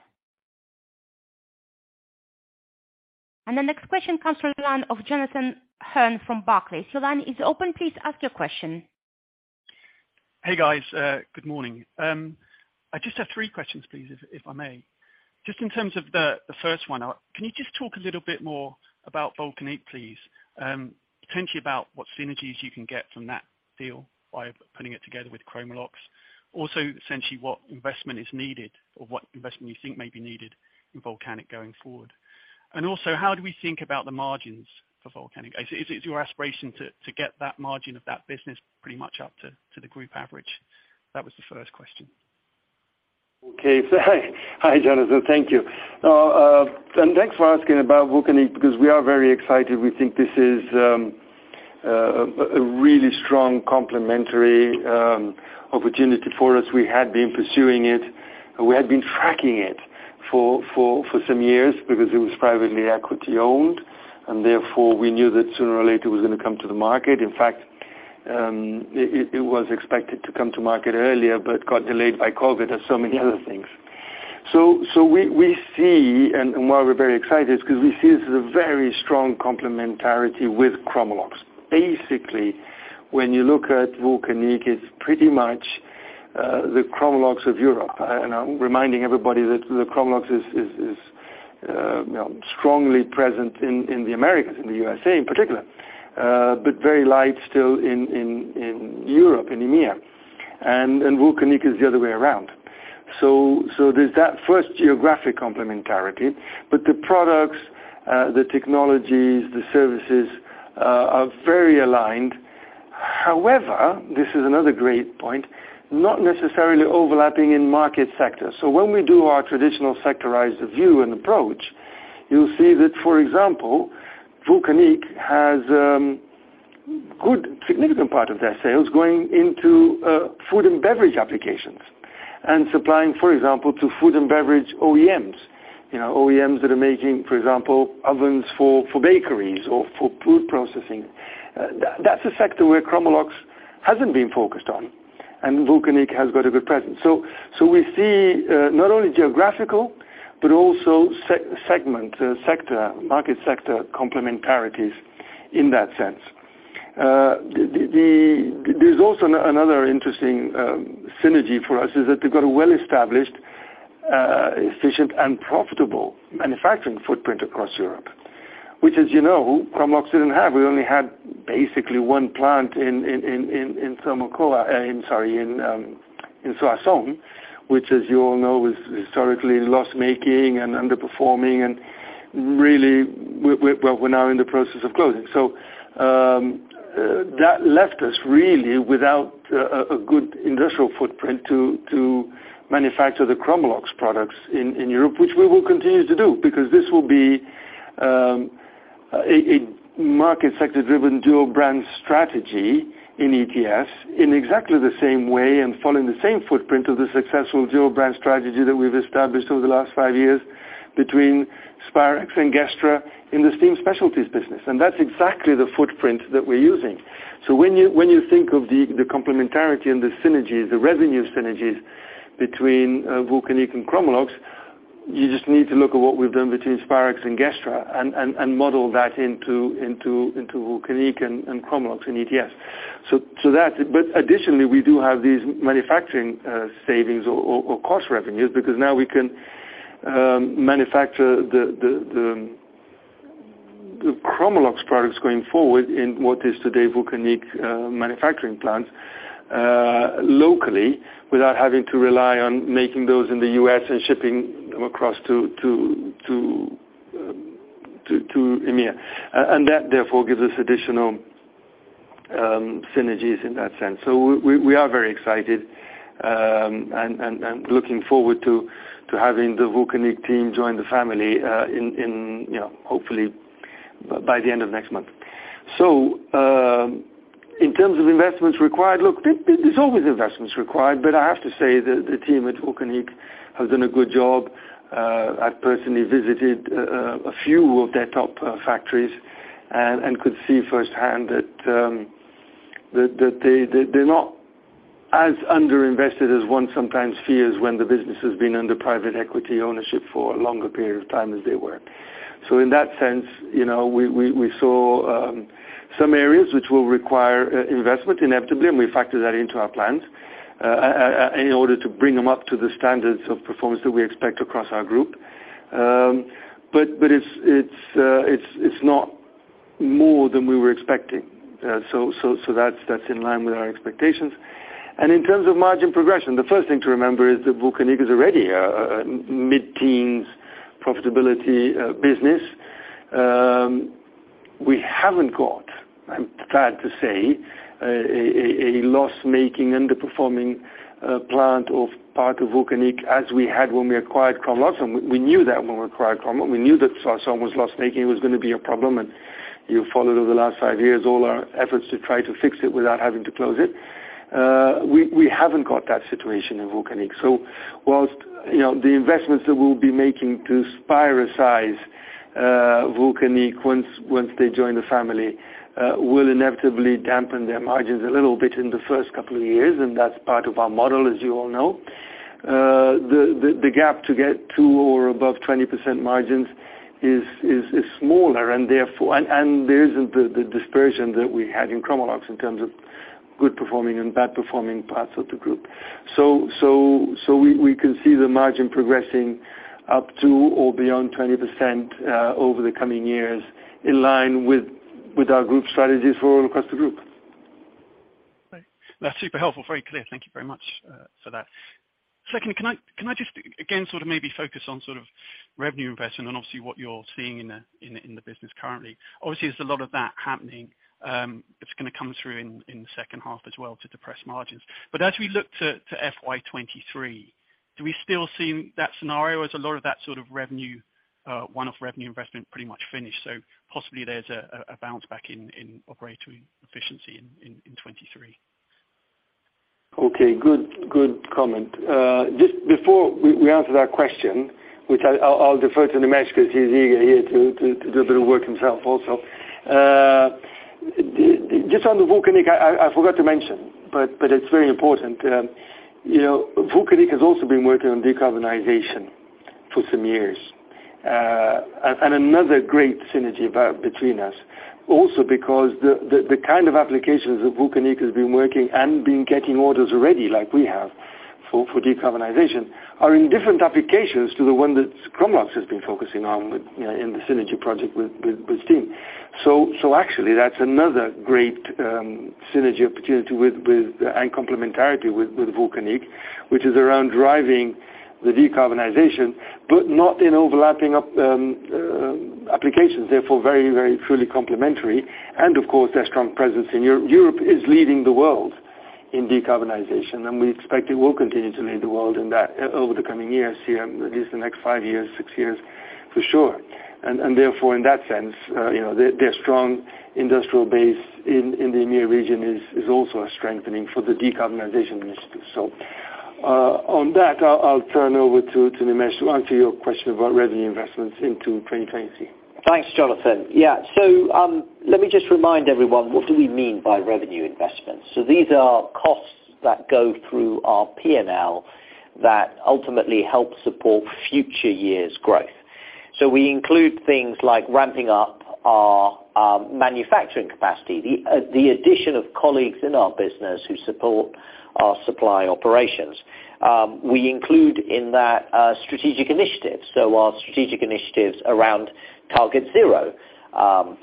The next question comes from the line of Jonathan Moberly from Barclays. Your line is open. Please ask your question. Hey, guys. Good morning. I just have three questions please, if I may. Just in terms of the first one, can you just talk a little bit more about Vulcanic, please? Potentially about what synergies you can get from that deal by putting it together with Chromalox. Also, essentially what investment is needed or what investment you think may be needed in Vulcanic going forward. Also, how do we think about the margins for Vulcanic? Is it your aspiration to get that margin of that business pretty much up to the group average? That was the first question. Okay. Hi, Jonathan. Thank you. And thanks for asking about Vulcanic, because we are very excited. We think this is a really strong complementary opportunity for us. We had been pursuing it, and we had been tracking it for some years because it was private equity-owned, and therefore, we knew that sooner or later, it was gonna come to the market. In fact, it was expected to come to market earlier, but got delayed by COVID and so many other things. We see, and why we're very excited is 'cause we see this as a very strong complementarity with Chromalox. Basically, when you look at Vulcanic, it's pretty much the Chromalox of Europe. I'm reminding everybody that Chromalox is, you know, strongly present in the Americas, in the USA in particular, but very light still in Europe, in EMEA. Vulcanic is the other way around. There's that first geographic complementarity, but the products, the technologies, the services, are very aligned. However, this is another great point, not necessarily overlapping in market sectors. When we do our traditional sectorized view and approach, you'll see that, for example, Vulcanic has good significant part of their sales going into food and beverage applications, and supplying, for example, to food and beverage OEMs. You know, OEMs that are making, for example, ovens for bakeries or for food processing. That's a sector where Chromalox hasn't been focused on, and Vulcanic has got a good presence. We see not only geographical, but also segment sector market sector complementarities in that sense. There's also another interesting synergy for us, is that they've got a well-established, efficient and profitable manufacturing footprint across Europe. Which as you know, Chromalox didn't have. We only had basically one plant in Thermocoax in Soissons, which, as you all know, is historically loss-making and underperforming, and really, well, we're now in the process of closing. That left us really without a good industrial footprint to manufacture the Chromalox products in Europe, which we will continue to do, because this will be a market sector-driven dual brand strategy in ETS in exactly the same way and following the same footprint of the successful dual brand strategy that we've established over the last five years between Spirax and Gestra in the Steam Specialties business. That's exactly the footprint that we're using. When you think of the complementarity and the synergies, the revenue synergies between Vulcanic and Chromalox, you just need to look at what we've done between Spirax and Gestra and model that into Vulcanic and Chromalox and ETS. Additionally, we do have these manufacturing savings or cost revenues because now we can manufacture the Chromalox products going forward in what is today Vulcanic manufacturing plants locally without having to rely on making those in the U.S. and shipping them across to EMEA. That, therefore, gives us additional synergies in that sense. We are very excited and looking forward to having the Vulcanic team join the family, you know, hopefully by the end of next month. In terms of investments required, look, there's always investments required, but I have to say that the team at Vulcanic have done a good job. I personally visited a few of their top factories and could see firsthand that they’re not as underinvested as one sometimes fears when the business has been under private equity ownership for a longer period of time as they were. In that sense, you know, we saw some areas which will require investment inevitably, and we factor that into our plans in order to bring them up to the standards of performance that we expect across our group. It’s not more than we were expecting. That’s in line with our expectations. In terms of margin progression, the first thing to remember is that Vulcanic is already a mid-teens profitability business. We haven't got, I'm glad to say, a loss-making, underperforming plant or part of Vulcanic as we had when we acquired Chromalox. We knew that when we acquired Chromalox. We knew that Soissons was loss-making, it was gonna be a problem. You followed over the last five years all our efforts to try to fix it without having to close it. We haven't got that situation in Vulcanic. While, you know, the investments that we'll be making to Spiraxize Vulcanic once they join the family will inevitably dampen their margins a little bit in the first couple of years, and that's part of our model, as you all know. The gap to get to or above 20% margins is smaller, and therefore there isn't the dispersion that we had in Chromalox in terms of good performing and bad performing parts of the group. We can see the margin progressing up to or beyond 20% over the coming years, in line with our group strategies for all across the group. That's super helpful. Very clear. Thank you very much for that. Secondly, can I just again sort of maybe focus on sort of revenue investment and obviously what you're seeing in the business currently? Obviously, there's a lot of that happening. It's gonna come through in the second half as well to depress margins. As we look to FY 2023, do we still see that scenario as a lot of that sort of revenue one-off revenue investment pretty much finished, so possibly there's a bounce back in operator efficiency in 2023? Okay. Good comment. Just before we answer that question, which I'll defer to Nimesh because he's eager here to do a bit of work himself also. Just on the Vulcanic, I forgot to mention, but it's very important. You know, Vulcanic has also been working on decarbonization for some years. Another great synergy between us also because the kind of applications that Vulcanic has been working and been getting orders already, like we have for decarbonization, are in different applications to the one that Chromalox has been focusing on with, you know, in the synergy project with steam. Actually that's another great synergy opportunity with and complementarity with Vulcanic, which is around driving the decarbonization, but not in overlapping applications, therefore very truly complementary. Of course, their strong presence in Europe. Europe is leading the world in decarbonization, and we expect it will continue to lead the world in that over the coming years here, at least the next five years, six years, for sure. Therefore, in that sense, you know, their strong industrial base in the EMEA region is also a strengthening for the decarbonization initiative. On that, I'll turn over to Nimesh to answer your question about revenue investments into 2020. Thanks, Jonathan. Yeah. Let me just remind everyone, what do we mean by revenue investments? These are costs that go through our P&L that ultimately help support future years' growth. We include things like ramping up our manufacturing capacity, the addition of colleagues in our business who support our supply operations. We include in that strategic initiatives. Our strategic initiatives around Target Zero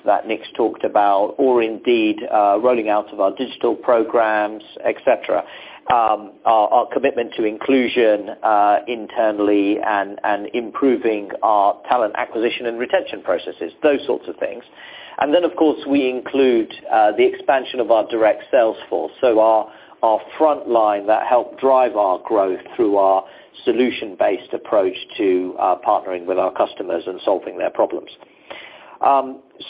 that Nick's talked about or indeed rolling out of our digital programs, et cetera. Our commitment to inclusion internally and improving our talent acquisition and retention processes, those sorts of things. Of course, we include the expansion of our direct sales force. Our front line that help drive our growth through our solution-based approach to partnering with our customers and solving their problems.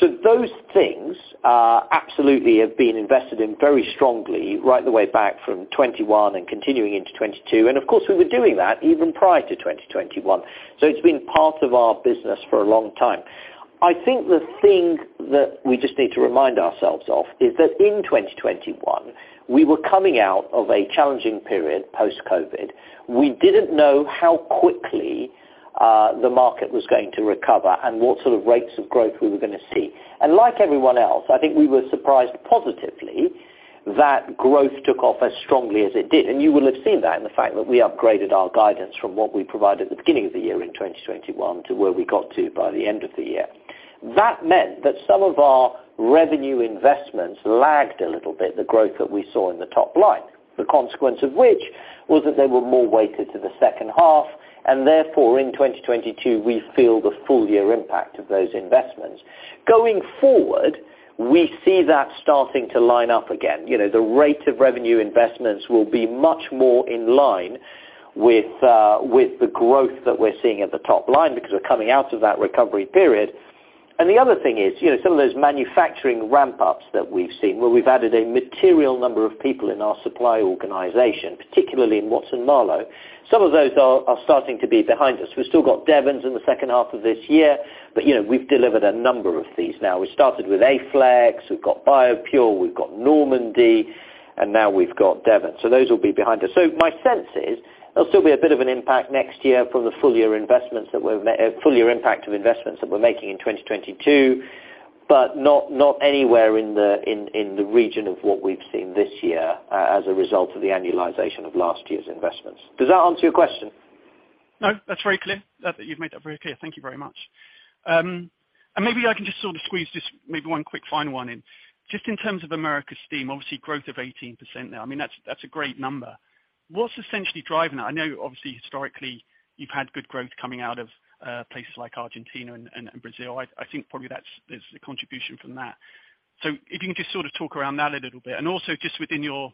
Those things absolutely have been invested in very strongly right the way back from 2021 and continuing into 2022. Of course, we were doing that even prior to 2021. It's been part of our business for a long time. I think the thing that we just need to remind ourselves of is that in 2021, we were coming out of a challenging period post-COVID. We didn't know how quickly the market was going to recover and what sort of rates of growth we were gonna see. Like everyone else, I think we were surprised positively that growth took off as strongly as it did. You will have seen that in the fact that we upgraded our guidance from what we provided at the beginning of the year in 2021 to where we got to by the end of the year. That meant that some of our revenue investments lagged a little bit, the growth that we saw in the top line. The consequence of which was that they were more weighted to the second half, and therefore in 2022, we feel the full year impact of those investments. Going forward, we see that starting to line up again. You know, the rate of revenue investments will be much more in line with the growth that we're seeing at the top line because we're coming out of that recovery period. The other thing is, you know, some of those manufacturing ramp-ups that we've seen, where we've added a material number of people in our supply organization, particularly in Watson-Marlow, some of those are starting to be behind us. We've still got Devens in the second half of this year, but, you know, we've delivered a number of these now. We started with Aflex, we've got BioPure, we've got Normandy, and now we've got Devens. Those will be behind us. My sense is there'll still be a bit of an impact next year from the full-year impact of investments that we're making in 2022, but not anywhere in the region of what we've seen this year as a result of the annualization of last year's investments. Does that answer your question? No, that's very clear. That, you've made that very clear. Thank you very much. And maybe I can just sort of squeeze this maybe one quick final one in. Just in terms of America's steam, obviously growth of 18% now. I mean, that's a great number. What's essentially driving that? I know obviously historically you've had good growth coming out of places like Argentina and Brazil. I think probably there's a contribution from that. If you can just sort of talk around that a little bit, and also just within your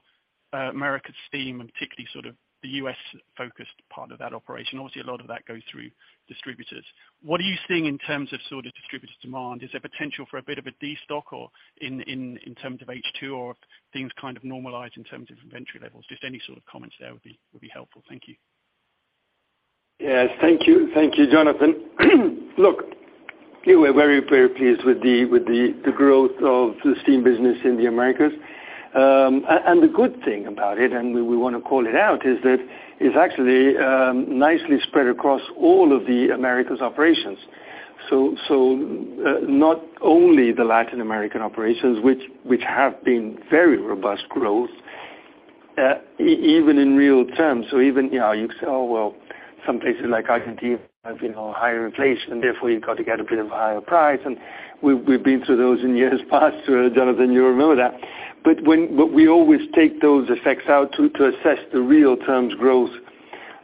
America steam and particularly sort of the US-focused part of that operation. Obviously, a lot of that goes through distributors. What are you seeing in terms of sort of distributor demand? Is there potential for a bit of a destock or in terms of H2 or if things kind of normalize in terms of inventory levels? Just any sort of comments there would be helpful. Thank you. Yes. Thank you. Thank you, Jonathan. Look, we're very, very pleased with the growth of the steam business in the Americas. The good thing about it, and we want to call it out, is that it's actually nicely spread across all of the Americas operations. Not only the Latin American operations, which have been very robust growth even in real terms, so even, you know, you say, oh, well, some places like Argentina have, you know, higher inflation, therefore you've got to get a bit of a higher price. We've been through those in years past, Jonathan, you remember that. We always take those effects out to assess the real terms growth,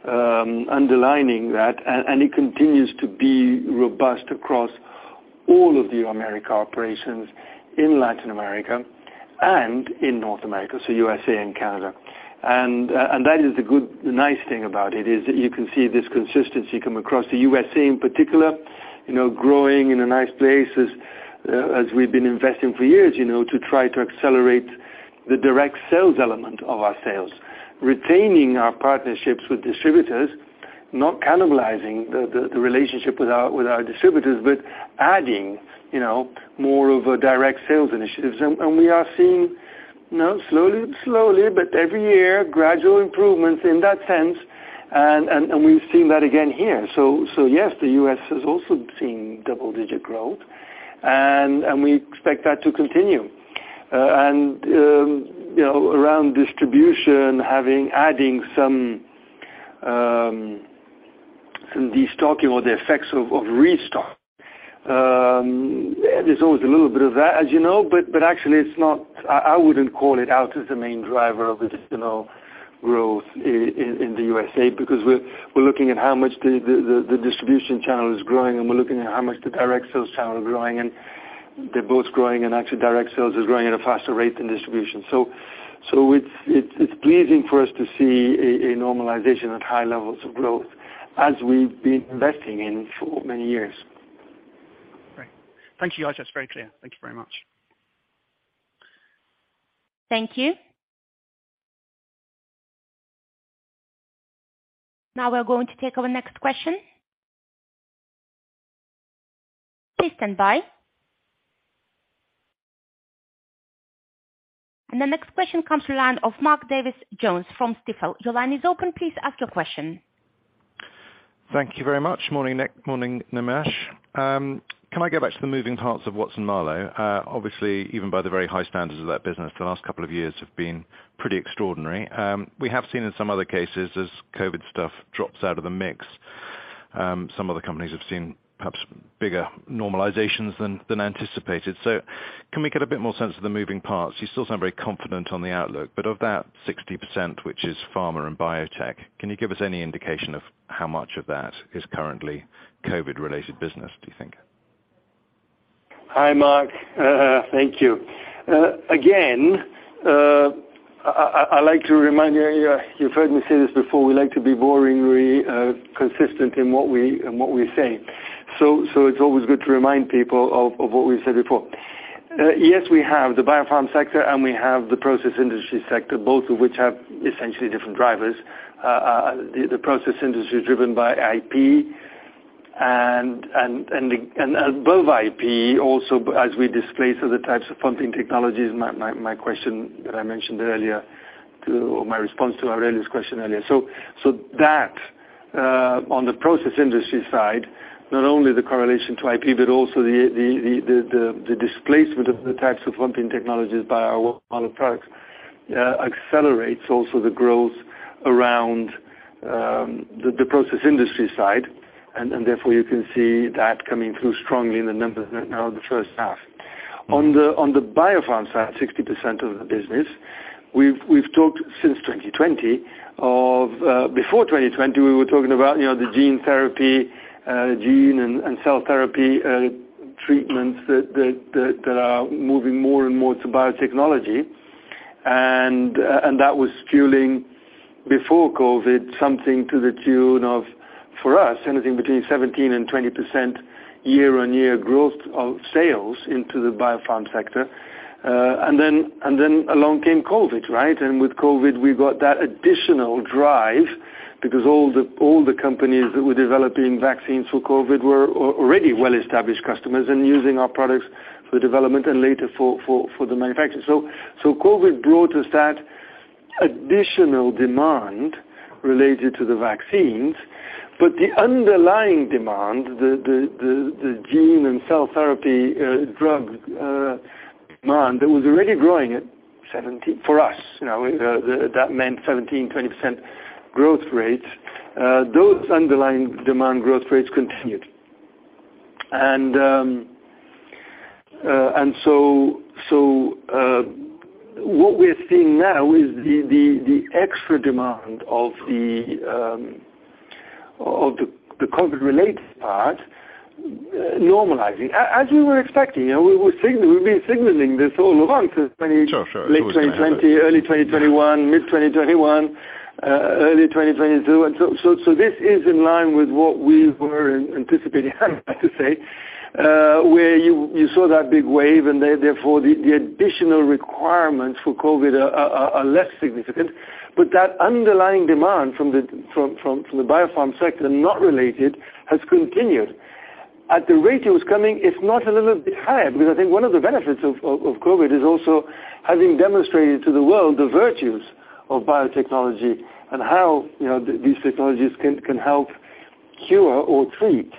underlining that. It continues to be robust across all of the Americas operations in Latin America and in North America, so U.S. and Canada. That is the nice thing about it, is that you can see this consistency come across the U.S. in particular, you know, growing in a nice pace as we've been investing for years, you know, to try to accelerate the direct sales element of our sales. Retaining our partnerships with distributors, not cannibalizing the relationship with our distributors, but adding, you know, more of a direct sales initiatives. We are seeing, you know, slowly, but every year, gradual improvements in that sense. We've seen that again here. Yes, the U.S. has also seen double-digit growth. We expect that to continue. You know, around distribution, adding some destocking or the effects of restock. There's always a little bit of that, as you know, but actually it's not. I wouldn't call it out as the main driver of additional growth in the USA, because we're looking at how much the distribution channel is growing, and we're looking at how much the direct sales channel is growing. They're both growing, and actually direct sales is growing at a faster rate than distribution. It's pleasing for us to see a normalization at high levels of growth as we've been investing in for many years. Great. Thank you, guys. That's very clear. Thank you very much. Thank you. Now we're going to take our next question. Please stand by. The next question comes from the line of Mark Davies Jones from Stifel. Your line is open. Please ask your question. Thank you very much. Morning, Nimesh. Can I go back to the moving parts of Watson-Marlow? Obviously, even by the very high standards of that business, the last couple of years have been pretty extraordinary. We have seen in some other cases, as COVID stuff drops out of the mix, some other companies have seen perhaps bigger normalizations than anticipated. Can we get a bit more sense of the moving parts? You still sound very confident on the outlook, but of that 60%, which is pharma and biotech, can you give us any indication of how much of that is currently COVID-related business, do you think? Hi, Mark. Thank you again. I'd like to remind you've heard me say this before, we like to be boringly consistent in what we say. It's always good to remind people of what we've said before. Yes, we have the biopharm sector and we have the process industry sector, both of which have essentially different drivers. The process industry is driven by IP and above IP also as we displace other types of pumping technologies, my question that I mentioned earlier, or my response to Aurelio's question earlier. That on the process industry side, not only the correlation to IP, but also the displacement of the types of pumping technologies by our other products accelerates also the growth around the process industry side. Therefore you can see that coming through strongly in the numbers now in the first half. On the biopharm side, 60% of the business, we've talked since 2020 of, before 2020, we were talking about, you know, the gene therapy, gene and cell therapy treatments that are moving more and more to biotechnology. That was fueling before COVID something to the tune of, for us, anything between 17%-20% year-on-year growth of sales into the biopharm sector. Along came COVID, right? With COVID, we got that additional drive because all the companies that were developing vaccines for COVID were already well-established customers and using our products for development and later for the manufacturing. COVID brought us that additional demand related to the vaccines. The underlying demand, the gene and cell therapy drug demand that was already growing at 17%, for us, you know, that meant 17%-20% growth rates, those underlying demand growth rates continued. What we're seeing now is the extra demand of the COVID-related part normalizing. As we were expecting. You know, we've been signaling this all along since 20- Sure, sure. Late 2020, early 20- Yeah 2021, mid-2021, early 2022. This is in line with what we were anticipating, I have to say, where you saw that big wave, and therefore the additional requirements for COVID are less significant. That underlying demand from the biopharm sector, not related, has continued. At the rate it was coming, it's now a little bit higher, because I think one of the benefits of COVID is also having demonstrated to the world the virtues of biotechnology and how, you know, these technologies can help cure or treat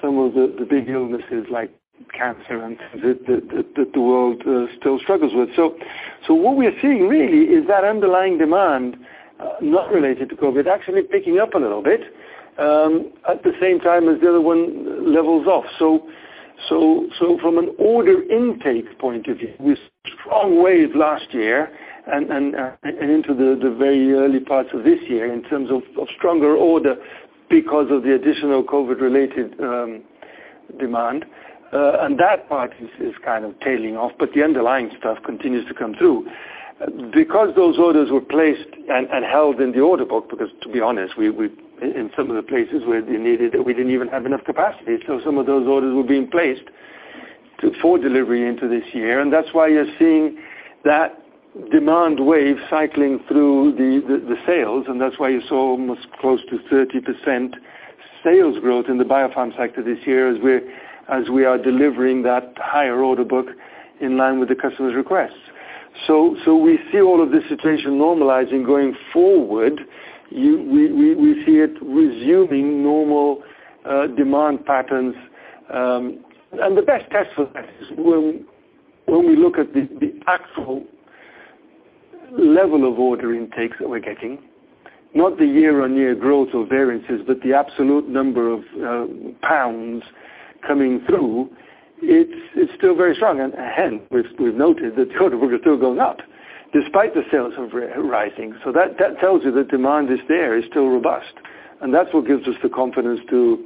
some of the big illnesses like cancer and things that the world still struggles with. What we are seeing really is that underlying demand, not related to COVID, actually picking up a little bit, at the same time as the other one levels off. From an order intake point of view, we saw strong wave last year and into the very early parts of this year in terms of stronger order because of the additional COVID related demand. That part is kind of tailing off, but the underlying stuff continues to come through. Because those orders were placed and held in the order book, because to be honest, we, in some of the places where they needed, we didn't even have enough capacity. Some of those orders were being placed for delivery into this year. That's why you're seeing that demand wave cycling through the sales, and that's why you saw almost close to 30% sales growth in the Biopharm sector this year as we're delivering that higher order book in line with the customer's requests. We see all of this situation normalizing going forward. We see it resuming normal demand patterns. The best test for that is when we look at the actual level of order intakes that we're getting, not the year-on-year growth or variances, but the absolute number of pounds coming through, it's still very strong. Again, we've noted that quote book is still going up despite the sales rising. That tells you the demand is there, it's still robust. That's what gives us the confidence to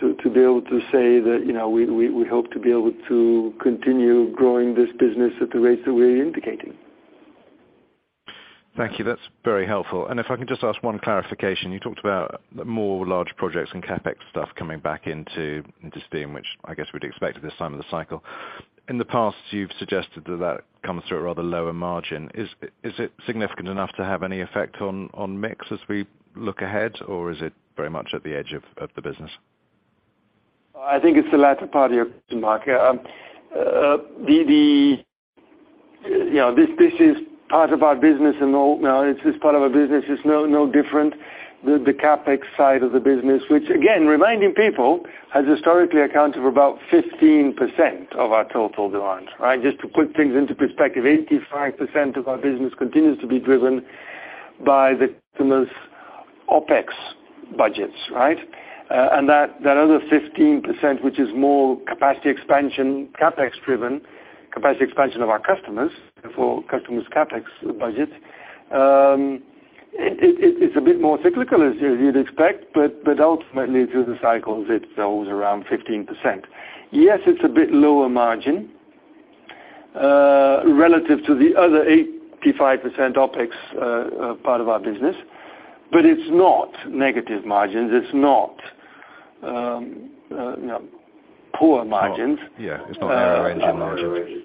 be able to say that, you know, we hope to be able to continue growing this business at the rates that we're indicating. Thank you. That's very helpful. If I can just ask one clarification. You talked about more large projects and CapEx stuff coming back into steam, which I guess we'd expect at this time of the cycle. In the past, you've suggested that that comes through at rather lower margin. Is it significant enough to have any effect on mix as we look ahead, or is it very much at the edge of the business? I think it's the latter part of your question, Mark. This is part of our business. It's no different with the CapEx side of the business, which again, reminding people, has historically accounted for about 15% of our total demand, right? Just to put things into perspective, 85% of our business continues to be driven by the customers' OpEx budgets, right? And that other 15%, which is more capacity expansion, CapEx driven, capacity expansion of our customers for customers' CapEx budget, it's a bit more cyclical as you'd expect, but ultimately through the cycles, it's always around 15%. Yes, it's a bit lower margin relative to the other 85% OpEx part of our business, but it's not negative margins. It's not, you know, poor margins. Oh, yeah. It's not out of range of margins.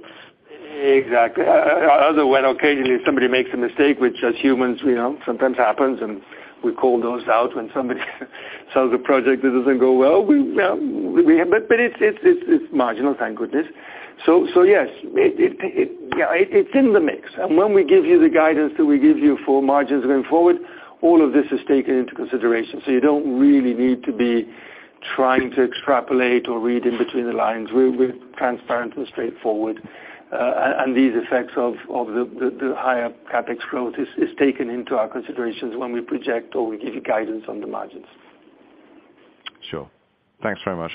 Exactly. Other than when occasionally somebody makes a mistake, which as humans, you know, sometimes happens, and we call those out when somebody sells a project that doesn't go well, we have. But it's marginal, thank goodness. Yes, it's in the mix. When we give you the guidance that we give you for margins going forward, all of this is taken into consideration. You don't really need to be trying to extrapolate or read in between the lines. We're transparent and straightforward. These effects of the higher CapEx growth is taken into our considerations when we project or we give you guidance on the margins. Sure. Thanks very much.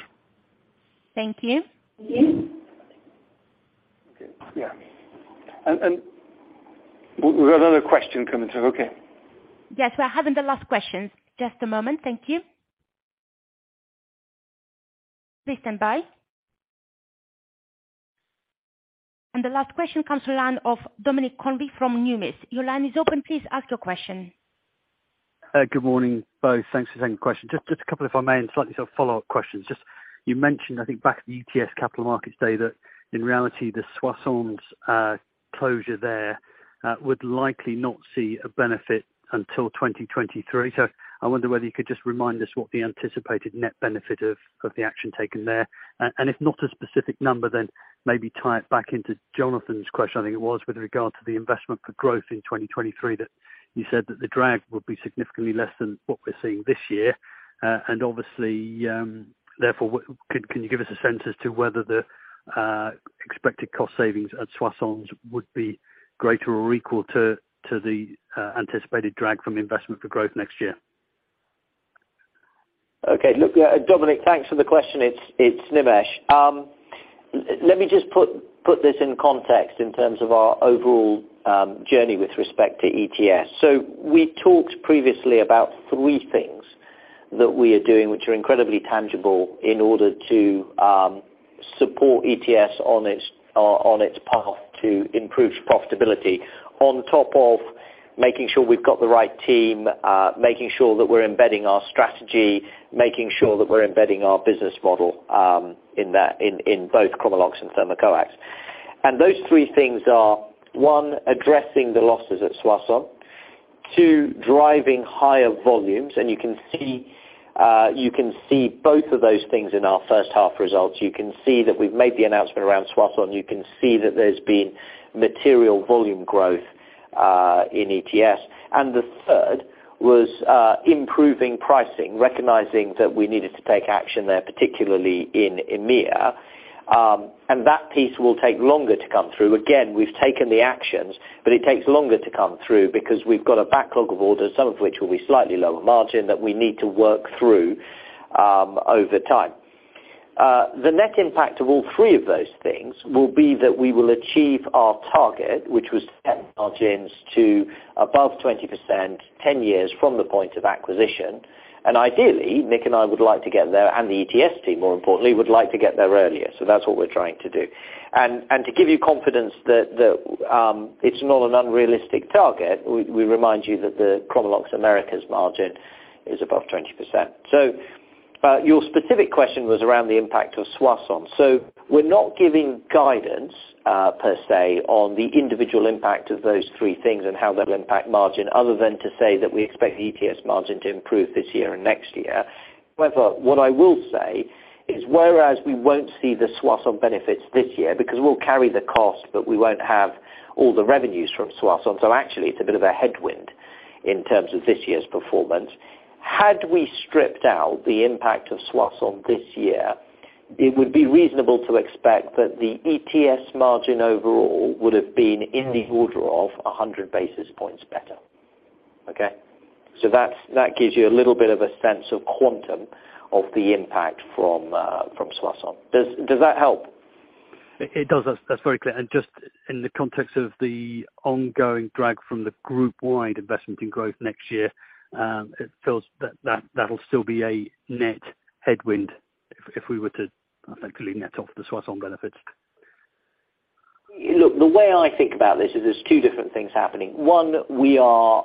Thank you. Okay. Yeah. We've got another question coming through. Okay. Yes, we're having the last question. Just a moment. Thank you. Please stand by. The last question comes from the line of Dominic Convey from Numis. Your line is open. Please ask your question. Good morning, both. Thanks for taking the question. Just a couple, if I may, and slightly sort of follow-up questions. Just, you mentioned, I think back in the ETS Capital Markets Day, that in reality, the Soissons closure there would likely not see a benefit until 2023. I wonder whether you could just remind us what the anticipated net benefit of the action taken there. If not a specific number, then maybe tie it back into Jonathan's question, I think it was, with regard to the investment for growth in 2023, that you said that the drag would be significantly less than what we're seeing this year. Obviously, therefore, can you give us a sense as to whether the expected cost savings at Soissons would be greater or equal to the anticipated drag from investment for growth next year? Okay. Look, Dominic, thanks for the question. It's Nimesh. Let me just put this in context in terms of our overall journey with respect to ETS. We talked previously about three things that we are doing, which are incredibly tangible in order to support ETS on its path to improved profitability, on top of making sure we've got the right team, making sure that we're embedding our strategy, making sure that we're embedding our business model in both Chromalox and Thermocoax. Those three things are, one, addressing the losses at Soissons. Two, driving higher volumes. You can see both of those things in our first half results. You can see that we've made the announcement around Soissons. You can see that there's been material volume growth in ETS. The third was improving pricing, recognizing that we needed to take action there, particularly in EMEA. That piece will take longer to come through. Again, we've taken the actions, but it takes longer to come through because we've got a backlog of orders, some of which will be slightly lower margin that we need to work through over time. The net impact of all three of those things will be that we will achieve our target, which was to get margins to above 20%, 10 years from the point of acquisition. Ideally, Nick and I would like to get there, and the ETS team, more importantly, would like to get there earlier. That's what we're trying to do. To give you confidence that it's not an unrealistic target, we remind you that the Chromalox Americas margin is above 20%. Your specific question was around the impact of Soisson. We're not giving guidance per se on the individual impact of those three things and how they'll impact margin other than to say that we expect the ETS margin to improve this year and next year. However, what I will say is whereas we won't see the Soisson benefits this year because we'll carry the cost, but we won't have all the revenues from Soisson. Actually it's a bit of a headwind in terms of this year's performance. Had we stripped out the impact of Soisson this year, it would be reasonable to expect that the ETS margin overall would've been in the order of 100 basis points better. Okay? That gives you a little bit of a sense of quantum of the impact from Soisson. Does that help? It does. That's very clear. Just in the context of the ongoing drag from the group wide investment in growth next year, it feels that that'll still be a net headwind if we were to effectively net off the Soisson benefits. Look, the way I think about this is there's two different things happening. One, we are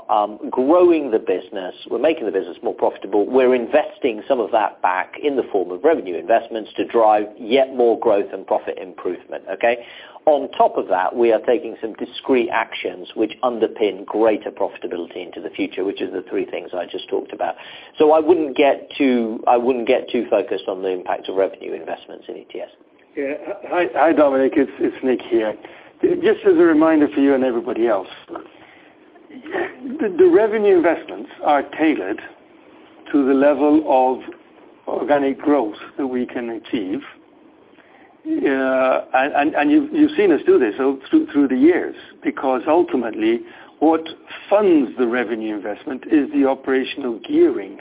growing the business. We're making the business more profitable. We're investing some of that back in the form of revenue investments to drive yet more growth and profit improvement. Okay? On top of that, we are taking some discrete actions which underpin greater profitability into the future, which is the three things I just talked about. I wouldn't get too focused on the impact of revenue investments in ETS. Yeah. Hi, Dominic. It's Nick here. Just as a reminder for you and everybody else, the revenue investments are tailored to the level of organic growth that we can achieve. You've seen us do this through the years because ultimately what funds the revenue investment is the operational gearing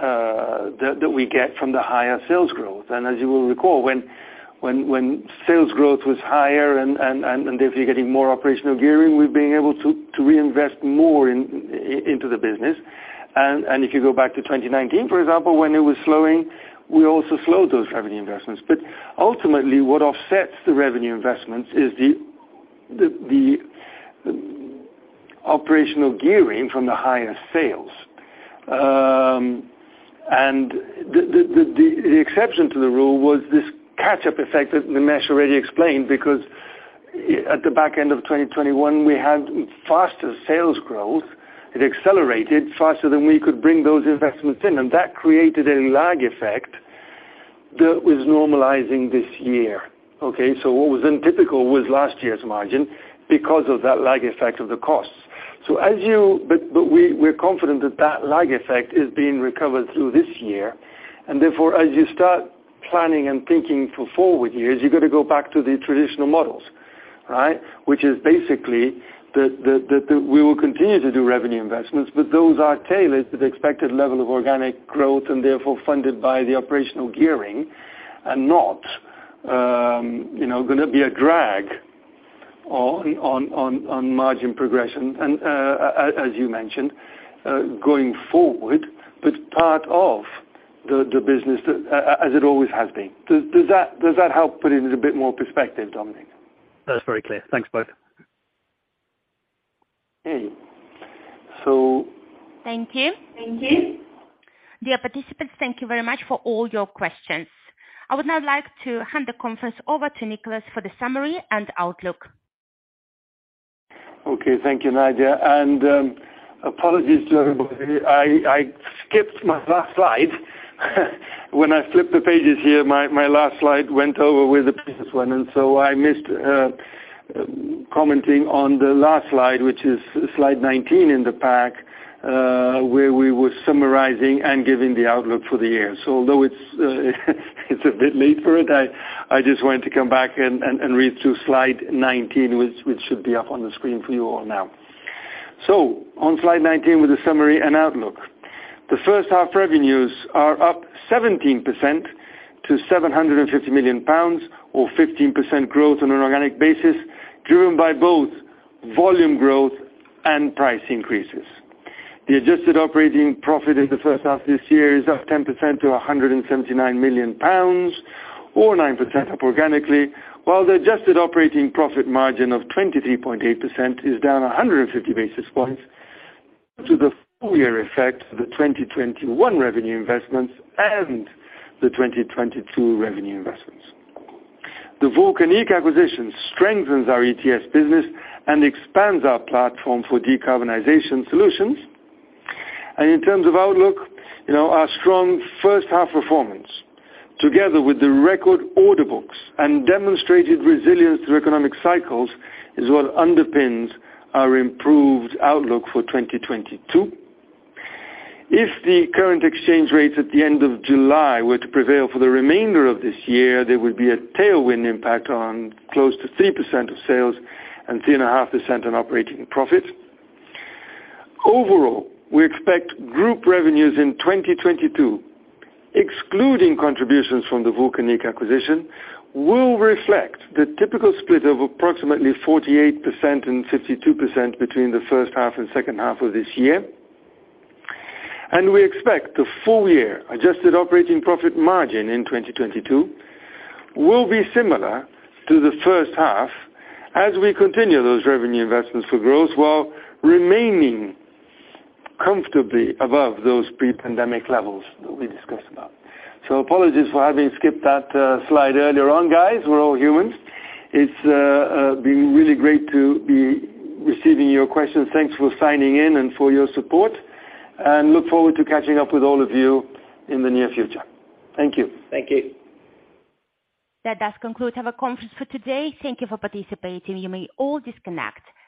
that we get from the higher sales growth. As you will recall, when sales growth was higher and therefore you're getting more operational gearing, we're able to reinvest more into the business. If you go back to 2019, for example, when it was slowing, we also slowed those revenue investments. Ultimately, what offsets the revenue investments is the operational gearing from the higher sales. The exception to the rule was this catch-up effect that Nimesh already explained because at the back end of 2021, we had faster sales growth. It accelerated faster than we could bring those investments in, and that created a lag effect that was normalizing this year. What was untypical was last year's margin because of that lag effect of the costs. We are confident that lag effect is being recovered through this year. Therefore, as you start planning and thinking for forward years, you've gotta go back to the traditional models, right? Which is basically the. We will continue to do revenue investments, but those are tailored to the expected level of organic growth and therefore funded by the operational gearing and not, you know, gonna be a drag on margin progression and, as you mentioned, going forward, but part of the business that, as it always has been. Does that help put it into a bit more perspective, Dominic? That's very clear. Thanks both. Okay. Thank you. Thank you. Dear participants, thank you very much for all your questions. I would now like to hand the conference over to Nicholas for the summary and outlook. Okay. Thank you, Nadia. Apologies to everybody. I skipped my last slide. When I flipped the pages here, my last slide went over with the previous one, and I missed commenting on the last slide, which is slide 19 in the pack, where we were summarizing and giving the outlook for the year. Although it's a bit late for it, I just wanted to come back and read through slide 19, which should be up on the screen for you all now. On slide 19 with the summary and outlook. The first half revenues are up 17% to 750 million pounds, or 15% growth on an organic basis, driven by both volume growth and price increases. The adjusted operating profit in the first half this year is up 10% to 179 million pounds, or 9% up organically. While the adjusted operating profit margin of 23.8% is down 150 basis points due to the full year effect of the 2021 revenue investments and the 2022 revenue investments. The Vulcanic acquisition strengthens our ETS business and expands our platform for decarbonization solutions. In terms of outlook, you know, our strong first half performance, together with the record order books and demonstrated resilience through economic cycles, is what underpins our improved outlook for 2022. If the current exchange rates at the end of July were to prevail for the remainder of this year, there would be a tailwind impact on close to 3% of sales and 3.5% on operating profits. Overall, we expect group revenues in 2022, excluding contributions from the Vulcanic acquisition, will reflect the typical split of approximately 48% and 52% between the first half and second half of this year. We expect the full year adjusted operating profit margin in 2022 will be similar to the first half as we continue those revenue investments for growth while remaining comfortably above those pre-pandemic levels that we discussed about. Apologies for having skipped that slide earlier on, guys. We're all humans. It's been really great to be receiving your questions. Thanks for signing in and for your support, and look forward to catching up with all of you in the near future. Thank you. Thank you. That does conclude our conference for today. Thank you for participating. You may all disconnect. Have a nice day.